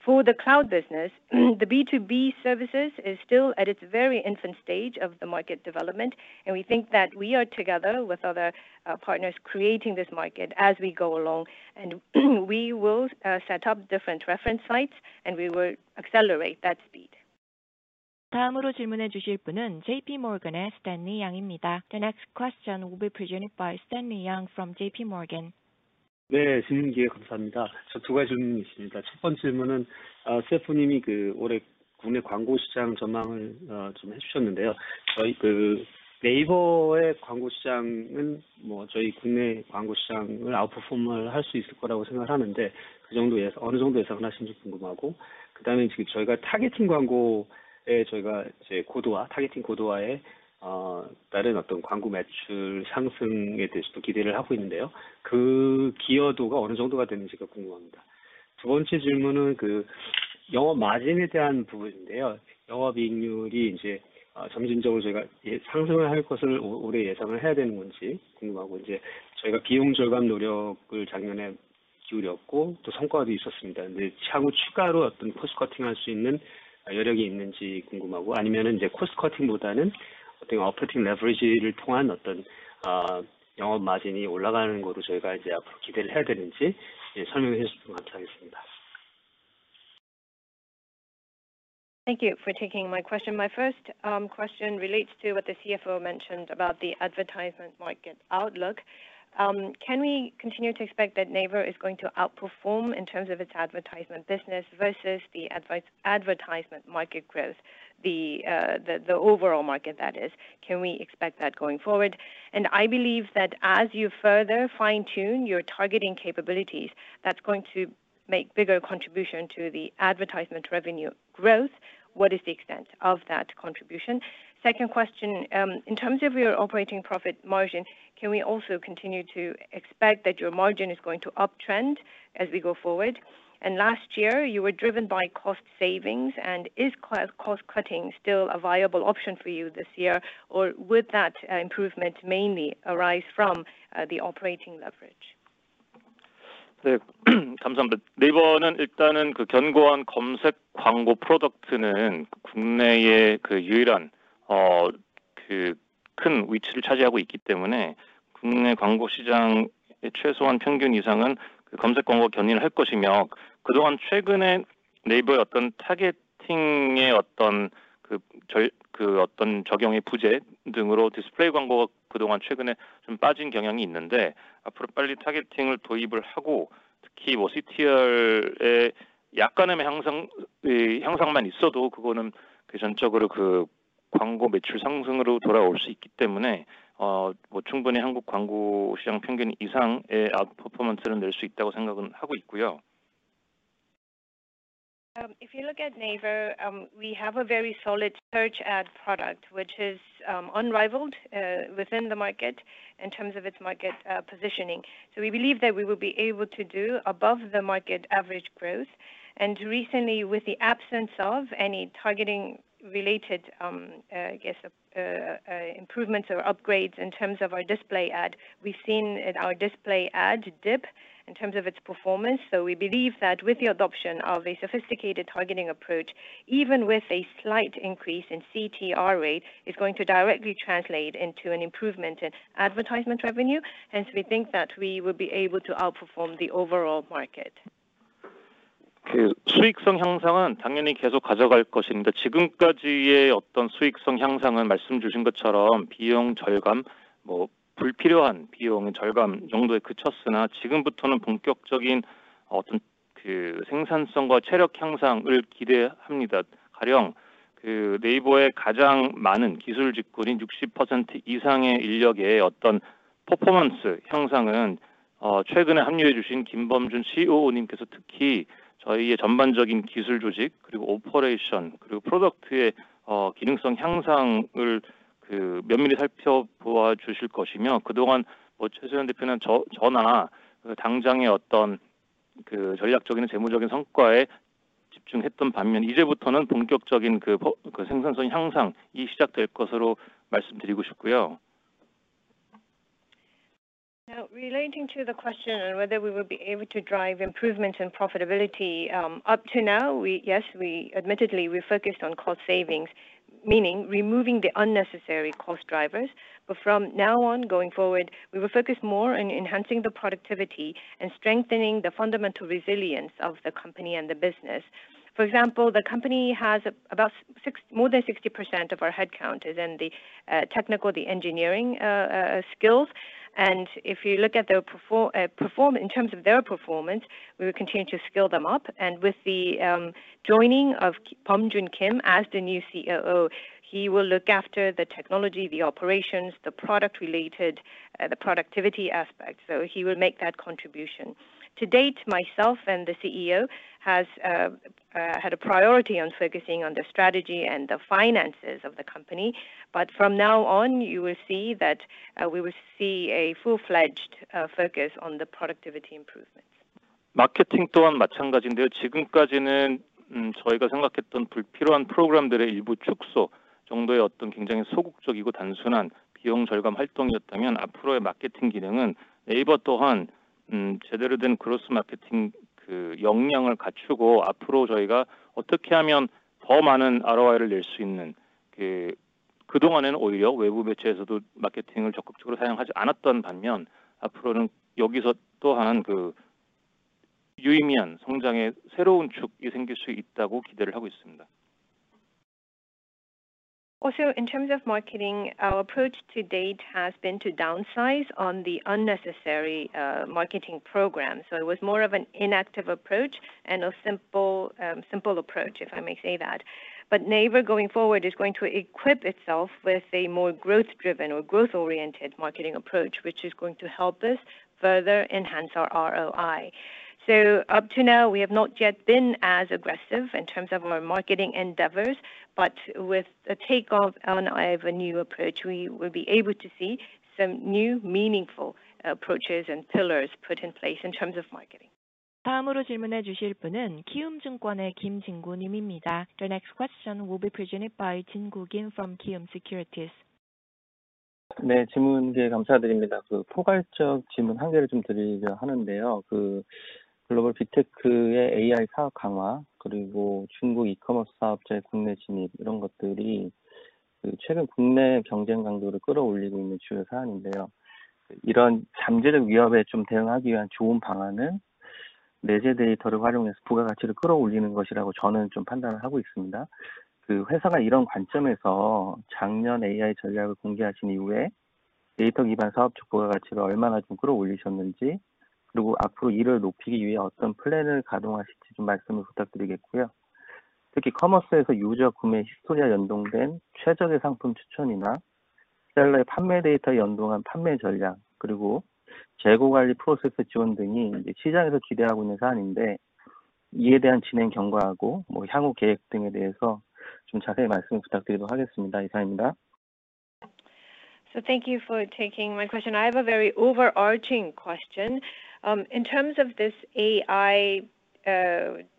For the cloud business, the B2B services is still at its very infant stage of the market development, and we think that we are together with other, partners creating this market as we go along. And we will, set up different reference sites, and we will accelerate that speed. The next question will be presented by Stanley Yang from J.P. Morgan. 네, 질문 기회 감사합니다. 저두 가지 질문이 있습니다. 첫 번째 질문은, CFO 님이 그 올해 국내 광고 시장 전망을 좀 해주셨는데요. 저희 네이버의 광고 시장은 뭐 저희 국내 광고 시장을 아웃퍼폼 할수 있을 거라고 생각을 하는데, 그 정도에서 어느 정도 예상하시는지 궁금하고, 그다음에 지금 저희가 타겟팅 광고에 저희가 이제 고도화, 타겟팅 고도화에 따른 어떤 광고 매출 상승에 대해서도 기대를 하고 있는데요. 그 기여도가 어느 정도가 되는지가 궁금합니다. 두 번째 질문은 그 영업 마진에 대한 부분인데요. 영업이익률이 이제 점진적으로 상승할 것을 올해 예상해야 되는 건지 궁금하고, 이제 저희가 비용 절감 노력을 작년에 기울였고, 또 성과도 있었습니다. 근데 향후 추가로 어떤 코스트 커팅 할수 있는 여력이 있는지 궁금하고, 아니면은 이제 코스트 커팅보다는 어떻게 오퍼팅 레버리지를 통한 어떤 영업 마진이 올라가는 걸로 저희가 이제 앞으로 기대를 해야 되는지 설명을 해주시면 감사하겠습니다. Thank you for taking my question. My first question relates to what the CFO mentioned about the advertisement market outlook. Can we continue to expect that NAVER is going to outperform in terms of its advertisement business versus the advertisement market growth, the overall market that is? Can we expect that going forward? And I believe that as you further fine-tune your targeting capabilities, that's going to make bigger contribution to the advertisement revenue growth. What is the extent of that contribution? Second question, in terms of your operating profit margin, can we also continue to expect that your margin is going to uptrend as we go forward? And last year, you were driven by cost savings, and is cost-cutting still a viable option for you this year, or would that improvement mainly arise from the operating leverage? 감사합니다. 네이버는 일단은 그 견고한 검색 광고 프로덕트는 국내에 그 유일한, 그큰 위치를 차지하고 있기 때문에, 국내 광고 시장의 최소한 평균 이상은 검색 광고 견인을 할 것이며, 그동안 최근에 네이버의 어떤 타겟팅의 어떤, 그 절, 그 어떤 적용의 부재 등으로 디스플레이 광고가 그동안 최근에 좀 빠진 경향이 있는데, 앞으로 빨리 타겟팅을 도입을 하고, 특히 뭐 CTR의 약간의 향상, 이 향상만 있어도 그거는 그 전적으로 그 광고 매출 상승으로 돌아올 수 있기 때문에, 뭐 충분히 한국 광고 시장 평균 이상의 아웃퍼포먼스는 낼수 있다고 생각은 하고 있고요. If you look at Naver, we have a very solid search ad product, which is unrivaled within the market in terms of its market positioning. So we believe that we will be able to do above the market average growth. And recently, with the absence of any targeting related, I guess, improvements or upgrades in terms of our display ad, we've seen in our display ad dip in terms of its performance. So we believe that with the adoption of a sophisticated targeting approach, even with a slight increase in CTR rate, is going to directly translate into an improvement in advertisement revenue. Hence, we think that we will be able to outperform the overall market. 그 수익성 향상은 당연히 계속 가져갈 것입니다. 지금까지의 어떤 수익성 향상은 말씀 주신 것처럼 비용 절감, 뭐 불필요한 비용 절감 정도에 그쳤으나, 지금부터는 본격적인 어떤, 그 생산성과 체력 향상을 기대합니다. 가령, 그 네이버에 가장 많은 기술 직군인 60% 이상의 인력의 어떤 퍼포먼스 향상은, 최근에 합류해 주신 김범준 COO 님께서 특히 저희의 전반적인 기술 조직, 그리고 오퍼레이션, 그리고 프로덕트의, 기능성 향상을 그 면밀히 살펴보아 주실 것이며, 그동안 뭐 최수연 대표나 저나 그 당장의 어떤, 그 전략적인, 재무적인 성과에 집중했던 반면, 이제부터는 본격적인 그 생산성 향상이 시작될 것으로 말씀드리고 싶고요. Now, relating to the question on whether we will be able to drive improvement and profitability, up to now, we. Yes, we admittedly focused on cost savings, meaning removing the unnecessary cost drivers. But from now on, going forward, we will focus more on enhancing the productivity and strengthening the fundamental resilience of the company and the business. For example, the company has about six- more than 60% of our headcount is in the technical, the engineering skills. And if you look at their performance, in terms of their performance, we will continue to skill them up. And with the joining of Kim Beom-jun as the new COO, he will look after the technology, the operations, the product related, the productivity aspect. So he will make that contribution. To date, myself and the CEO has had a priority on focusing on the strategy and the finances of the company, but from now on, you will see that we will see a full-fledged focus on the productivity improvements. 마케팅 또한 마찬가지인데요. 지금까지는, 저희가 생각했던 불필요한 프로그램들의 일부 축소 정도의, 어떤 굉장히 소극적이고 단순한 비용 절감 활동이었다면, 앞으로의 마케팅 기능은 네이버 또한, 제대로 된 그로스 마케팅, 그, 역량을 갖추고, 앞으로 저희가 어떻게 하면 더 많은 ROI를 낼수 있는, 그- 그동안에는 오히려 외부 매체에서도 마케팅을 적극적으로 사용하지 않았던 반면, 앞으로는 여기서 또한 그 유의미한 성장의 새로운 축이 생길 수 있다고 기대를 하고 있습니다. Also, in terms of marketing, our approach to date has been to downsize on the unnecessary, marketing program. So it was more of an inactive approach and a simple, simple approach, if I may say that. But Naver, going forward, is going to equip itself with a more growth-driven or growth-oriented marketing approach, which is going to help us further enhance our ROI. So up to now, we have not yet been as aggressive in terms of our marketing endeavors, but with the take of an avenue approach, we will be able to see some new meaningful approaches and pillars put in place in terms of marketing. 다음으로 질문해 주실 분은 키움증권의 김진구 님입니다. The next question will be presented by Jin-gu Kim from Kiwoom Securities. 네, 질문 감사드립니다. 그 포괄적 질문 한 개를 좀 드리려고 하는데요. 그 글로벌 빅테크의 AI 사업 강화, 그리고 중국 이커머스 사업자의 국내 진입, 이런 것들이 그 최근 국내 경쟁 강도를 끌어올리고 있는 주요 사안인데요. 이런 잠재적 위협에 좀 대응하기 위한 좋은 방안은 내재 데이터를 활용해서 부가가치를 끌어올리는 것이라고 저는 좀 판단을 하고 있습니다. 그 회사가 이런 관점에서 작년 AI 전략을 공개하신 이후에 데이터 기반 사업적 부가가치를 얼마나 좀 끌어올리셨는지, 그리고 앞으로 이를 높이기 위해 어떤 플랜을 가동하실지 좀 말씀을 부탁드리겠고요. 특히 커머스에서 유저 구매 히스토리가 연동된 최적의 상품 추천이나 셀러의 판매 데이터와 연동한 판매 전략, 그리고 재고 관리 프로세스 지원 등이 이제 시장에서 기대하고 있는 사안인데, 이에 대한 진행 경과하고 뭐 향후 계획 등에 대해서 좀 자세히 말씀을 부탁드리도록 하겠습니다. 이상입니다. So thank you for taking my question. I have a very overarching question. In terms of this AI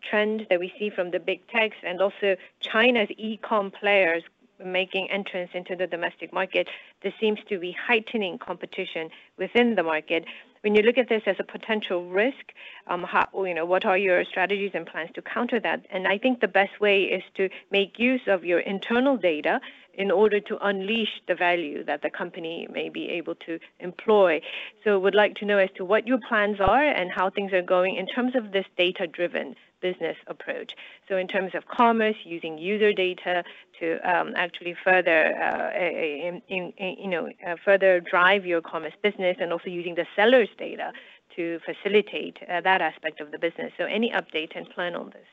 trend that we see from the big techs and also China's e-com players making entrance into the domestic market, this seems to be heightening competition within the market. When you look at this as a potential risk, how... You know, what are your strategies and plans to counter that? And I think the best way is to make use of your internal data in order to unleash the value that the company may be able to employ. So would like to know as to what your plans are and how things are going in terms of this data-driven business approach. So in terms of commerce, using user data to actually further you know further drive your commerce business and also using the seller's data to facilitate that aspect of the business. So any update and plan on this?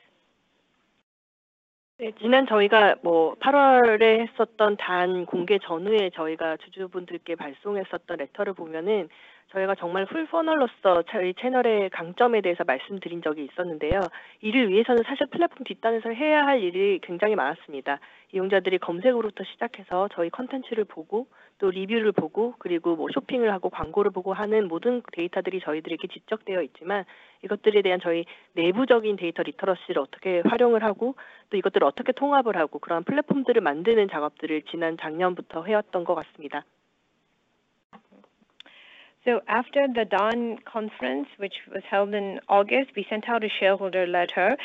네, 지난 저희가 뭐 팔월에 했었던 단 공개 전후에 저희가 주주분들께 발송했었던 레터를 보면은, 저희가 정말 full funnel로서 저희 채널의 강점에 대해서 말씀드린 적이 있었는데요. 이를 위해서는 사실 플랫폼 뒷단에서 해야 할 일이 굉장히 많았습니다. 이용자들이 검색으로부터 시작해서 저희 콘텐츠를 보고, 또 리뷰를 보고, 그리고 뭐 쇼핑을 하고 광고를 보고 하는 모든 데이터들이 저희들에게 집적되어 있지만, 이것들에 대한 저희 내부적인 데이터 리터러시를 어떻게 활용을 하고, 또 이것들을 어떻게 통합을 하고, 그러한 플랫폼들을 만드는 작업들을 지난 작년부터 해왔던 것 같습니다. So after the DAN conference, which was held in August, we sent out a shareholder letter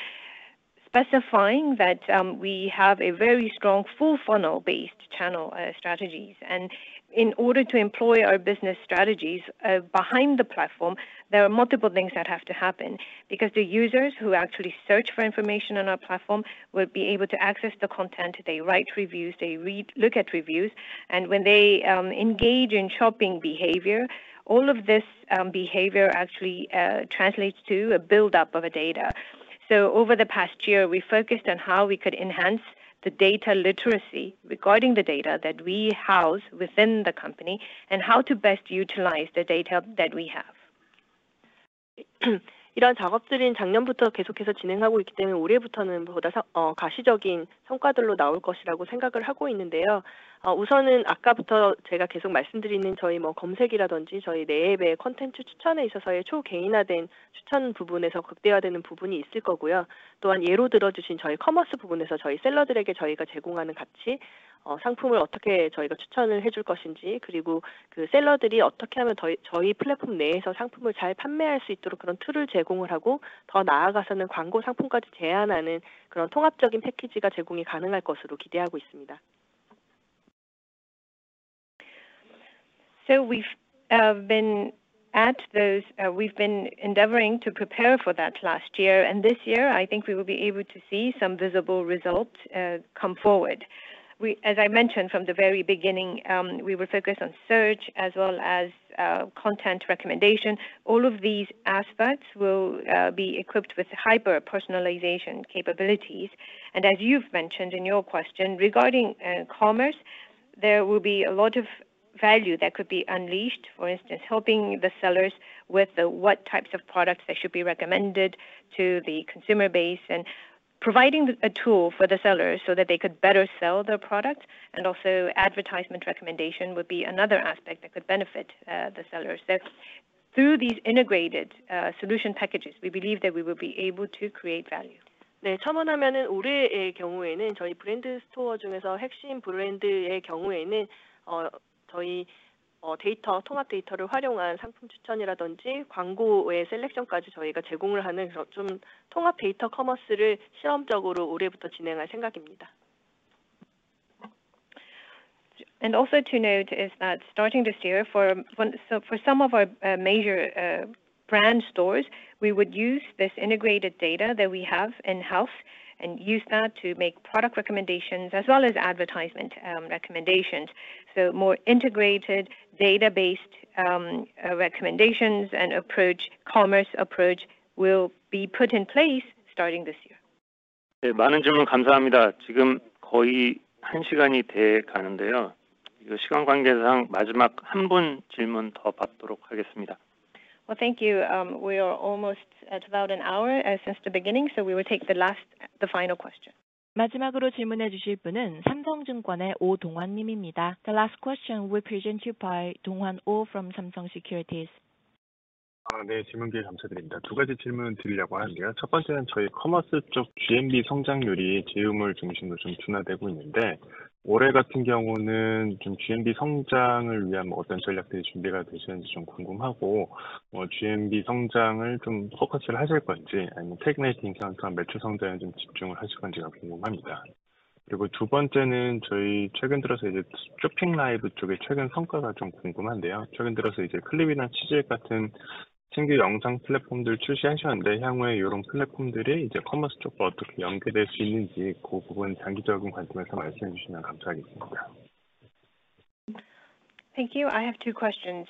specifying that we have a very strong, full funnel-based channel strategies. In order to employ our business strategies behind the platform, there are multiple things that have to happen. Because the users who actually search for information on our platform will be able to access the content, they write reviews, they read, look at reviews, and when they engage in shopping behavior, all of this behavior actually translates to a buildup of a data. Over the past year, we focused on how we could enhance the data literacy regarding the data that we house within the company and how to best utilize the data that we have. 이런 작업들은 작년부터 계속해서 진행하고 있기 때문에 올해부터는 보다 가시적인 성과들로 나올 것이라고 생각을 하고 있는데요. 우선은 아까부터 제가 계속 말씀드리는 저희 뭐 검색이라든지, 저희 내 앱의 콘텐츠 추천에 있어서의 초개인화된 추천 부분에서 극대화되는 부분이 있을 거고요. 또한 예로 들어주신 저희 커머스 부분에서 저희 셀러들에게 저희가 제공하는 가치, 상품을 어떻게 저희가 추천을 해줄 것인지, 그리고 그 셀러들이 어떻게 하면 더 저희 플랫폼 내에서 상품을 잘 판매할 수 있도록 그런 툴을 제공을 하고, 더 나아가서는 광고 상품까지 제안하는 그런 통합적인 패키지가 제공이 가능할 것으로 기대하고 있습니다. So we've been at those, we've been endeavoring to prepare for that last year, and this year I think we will be able to see some visible results come forward. As I mentioned from the very beginning, we were focused on search as well as content recommendation. All of these aspects will be equipped with hyper-personalization capabilities. And as you've mentioned in your question, regarding commerce, there will be a lot of value that could be unleashed. For instance, helping the sellers with the what types of products that should be recommended to the consumer base, and providing a tool for the sellers so that they could better sell their products. And also advertisement recommendation would be another aspect that could benefit the sellers. So through these integrated solution packages, we believe that we will be able to create value. 네, 첨언하면 올해의 경우에는 저희 브랜드 스토어 중에서 핵심 브랜드의 경우에는, 저희 데이터, 통합 데이터를 활용한 상품 추천이라든지 광고의 셀렉션까지 저희가 제공을 하는 그런 좀 통합 데이터 커머스를 실험적으로 올해부터 진행할 생각입니다. And also to note is that starting this year for one, so for some of our major brand stores, we would use this integrated data that we have in-house and use that to make product recommendations as well as advertisement recommendations. So more integrated data-based recommendations and approach, commerce approach will be put in place starting this year. 네, 많은 질문 감사합니다. 지금 거의 한 시간이 돼 가는데요. 시간 관계상 마지막 한분 질문 더 받도록 하겠습니다. Well, thank you. We are almost at about an hour since the beginning, so we will take the last, the final question. question is Donghwan Oh from Samsung Securities. The last question will be presented by Donghwan Oh from Samsung Securities. 네, 질문 기회 감사드립니다. 두 가지 질문드리려고 하는데요. 첫 번째는 저희 커머스 쪽 GMV 성장률이 제휴몰 중심으로 좀 둔화되고 있는데, 올해 같은 경우는 좀 GMV 성장을 위한 어떤 전략들이 준비가 되셨는지 좀 궁금하고, GMV 성장을 좀 포커스를 하실 건지, 아니면 테이크레이팅 상황상 매출 성장에 좀 집중을 하실 건지가 궁금합니다. 그리고 두 번째는 저희 최근 들어서 이제 쇼핑 라이브 쪽의 최근 성과가 좀 궁금한데요. 최근 들어서 이제 Clip이나 CHZZK 같은 신규 영상 플랫폼들 출시하셨는데, 향후에 이런 플랫폼들이 이제 커머스 쪽과 어떻게 연계될 수 있는지, 그 부분 장기적인 관점에서 말씀해 주시면 감사하겠습니다. Thank you. I have two questions.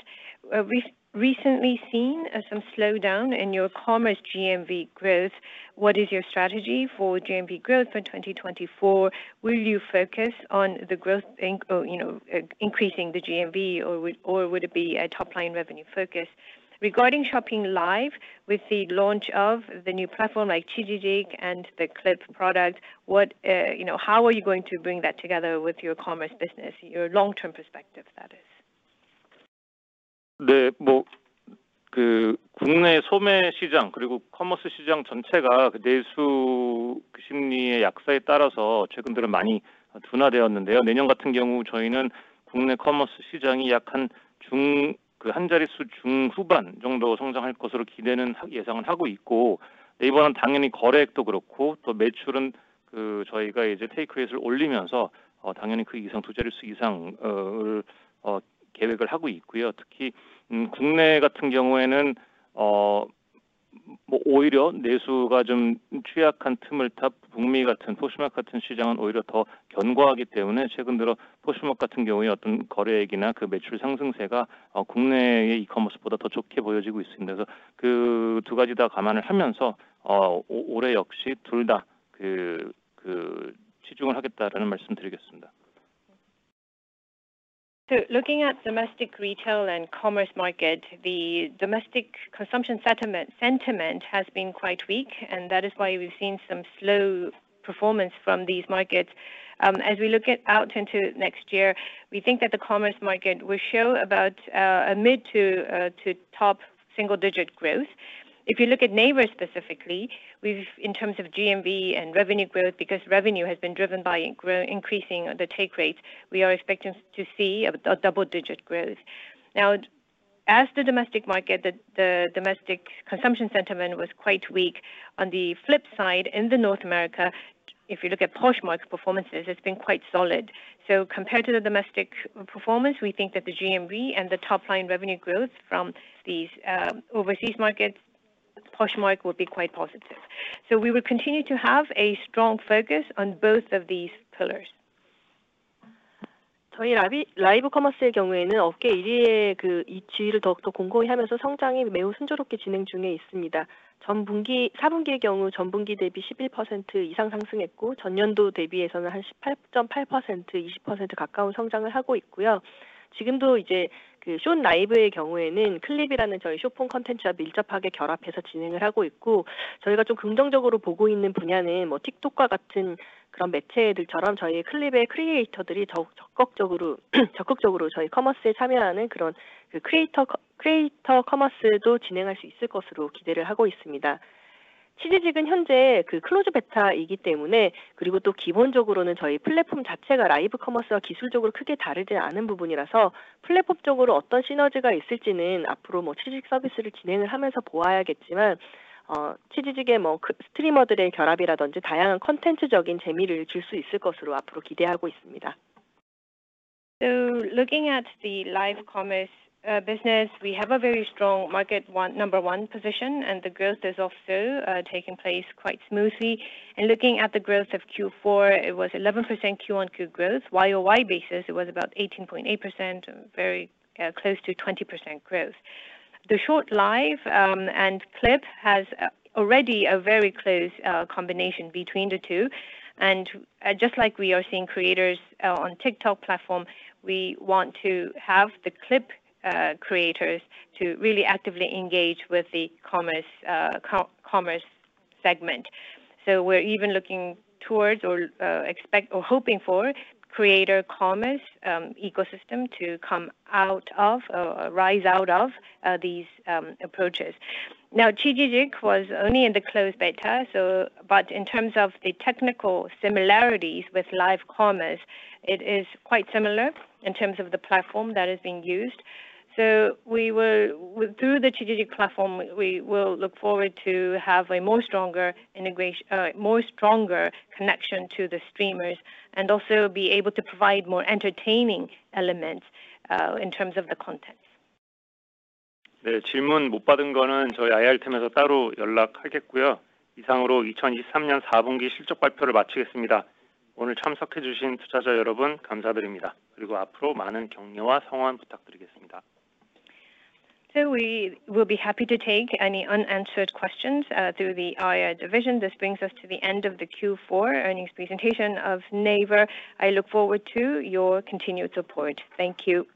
We've recently seen some slowdown in your commerce GMV growth. What is your strategy for GMV growth for 2024? Will you focus on the growth and/or, you know, increasing the GMV, or would it be a top-line revenue focus? Regarding Shopping Live, with the launch of the new platform like CHZZK and the Clip product, what, you know, how are you going to bring that together with your commerce business, your long-term perspective, that is? 네, 국내 소매 시장 그리고 커머스 시장 전체가 내수 심리의 약세에 따라서 최근 들어 많이 둔화되었는데요. 내년 같은 경우 저희는 국내 커머스 시장이 약한 자릿수 중후반 정도 성장할 것으로 기대하는 예상을 하고 있고, 네이버는 당연히 거래액도 그렇고, 또 매출은 그 저희가 이제 테이크레이트를 올리면서 당연히 그 이상, 두 자릿수 이상을 계획을 하고 있고요. 특히, 국내 같은 경우에는 오히려 내수가 좀 취약한 틈을 타 북미 같은, Poshmark 같은 시장은 오히려 더 견고하기 때문에 최근 들어 Poshmark 같은 경우에 어떤 거래액이나 그 매출 상승세가 국내의 이커머스보다 더 좋게 보여지고 있습니다. 그래서 그두 가지 다 감안을 하면서 올해 역시 둘다그 치중을 하겠다라는 말씀드리겠습니다. So looking at domestic, retail, and commerce market, the domestic consumption sentiment has been quite weak, and that is why we've seen some slow performance from these markets. As we look out into next year, we think that the commerce market will show about a mid- to top-single-digit growth. If you look at Naver specifically, we've in terms of GMV and revenue growth, because revenue has been driven by increasing the take rate, we are expecting to see a double-digit growth. Now, as the domestic market, the domestic consumption sentiment was quite weak. On the flip side, in North America, if you look at Poshmark performances, it's been quite solid. So compared to the domestic performance, we think that the GMV and the top-line revenue growth from these overseas markets, Poshmark will be quite positive. We will continue to have a strong focus on both of these pillars. 저희 라이브, 라이브 커머스의 경우에는 업계 일위의 그 지위를 더욱더 공고히 하면서 성장이 매우 순조롭게 진행 중에 있습니다. 전 분기 사분기의 경우 전분기 대비 11% 이상 상승했고, 전년도 대비해서는 한 18.8%, 20% 가까운 성장을 하고 있고요. 지금도 이제 그숏 라이브의 경우에는 클립이라는 저희 숏폼 콘텐츠와 밀접하게 결합해서 진행을 하고 있고, 저희가 좀 긍정적으로 보고 있는 분야는 틱톡과 같은 그런 매체들처럼, 저희 클립의 크리에이터들이 더욱 적극적으로 저희 커머스에 참여하는 그런 크리에이터 커머스도 진행할 수 있을 것으로 기대를 하고 있습니다. 치지직은 현재 그 클로즈 베타이기 때문에, 그리고 또 기본적으로는 저희 플랫폼 자체가 라이브 커머스와 기술적으로 크게 다르지 않은 부분이라서, 플랫폼적으로 어떤 시너지가 있을지는 앞으로 치지직 서비스를 진행을 하면서 보아야겠지만, 치지직의 스트리머들의 결합이라든지, 다양한 콘텐츠적인 재미를 줄수 있을 것으로 앞으로 기대하고 있습니다. So looking at the live commerce business, we have a very strong market one number one position, and the growth is also taking place quite smoothly. Looking at the growth of Q4, it was 11% QoQ growth. YOY basis, it was about 18.8%, very close to 20% growth. The Short Live and Clip has already a very close combination between the two. Just like we are seeing creators on TikTok platform, we want to have the Clip creators to really actively engage with the commerce commerce segment. So we're even looking towards or expect or hoping for creator commerce ecosystem to come out of, or rise out of, these approaches. Now, CHZZK was only in the closed beta, so but in terms of the technical similarities with live commerce, it is quite similar in terms of the platform that is being used. So we will through the CHZZK platform, we will look forward to have a more stronger integration, more stronger connection to the streamers and also be able to provide more entertaining elements, in terms of the content. 네, 질문 못 받은 거는 저희 IR팀에서 따로 연락하겠고요. 이상으로 2023년 4분기 실적 발표를 마치겠습니다. 오늘 참석해 주신 투자자 여러분 감사드립니다. 그리고 앞으로 많은 격려와 성원 부탁드리겠습니다. We will be happy to take any unanswered questions through the IR division. This brings us to the end of the Q4 earnings presentation of NAVER. I look forward to your continued support. Thank you!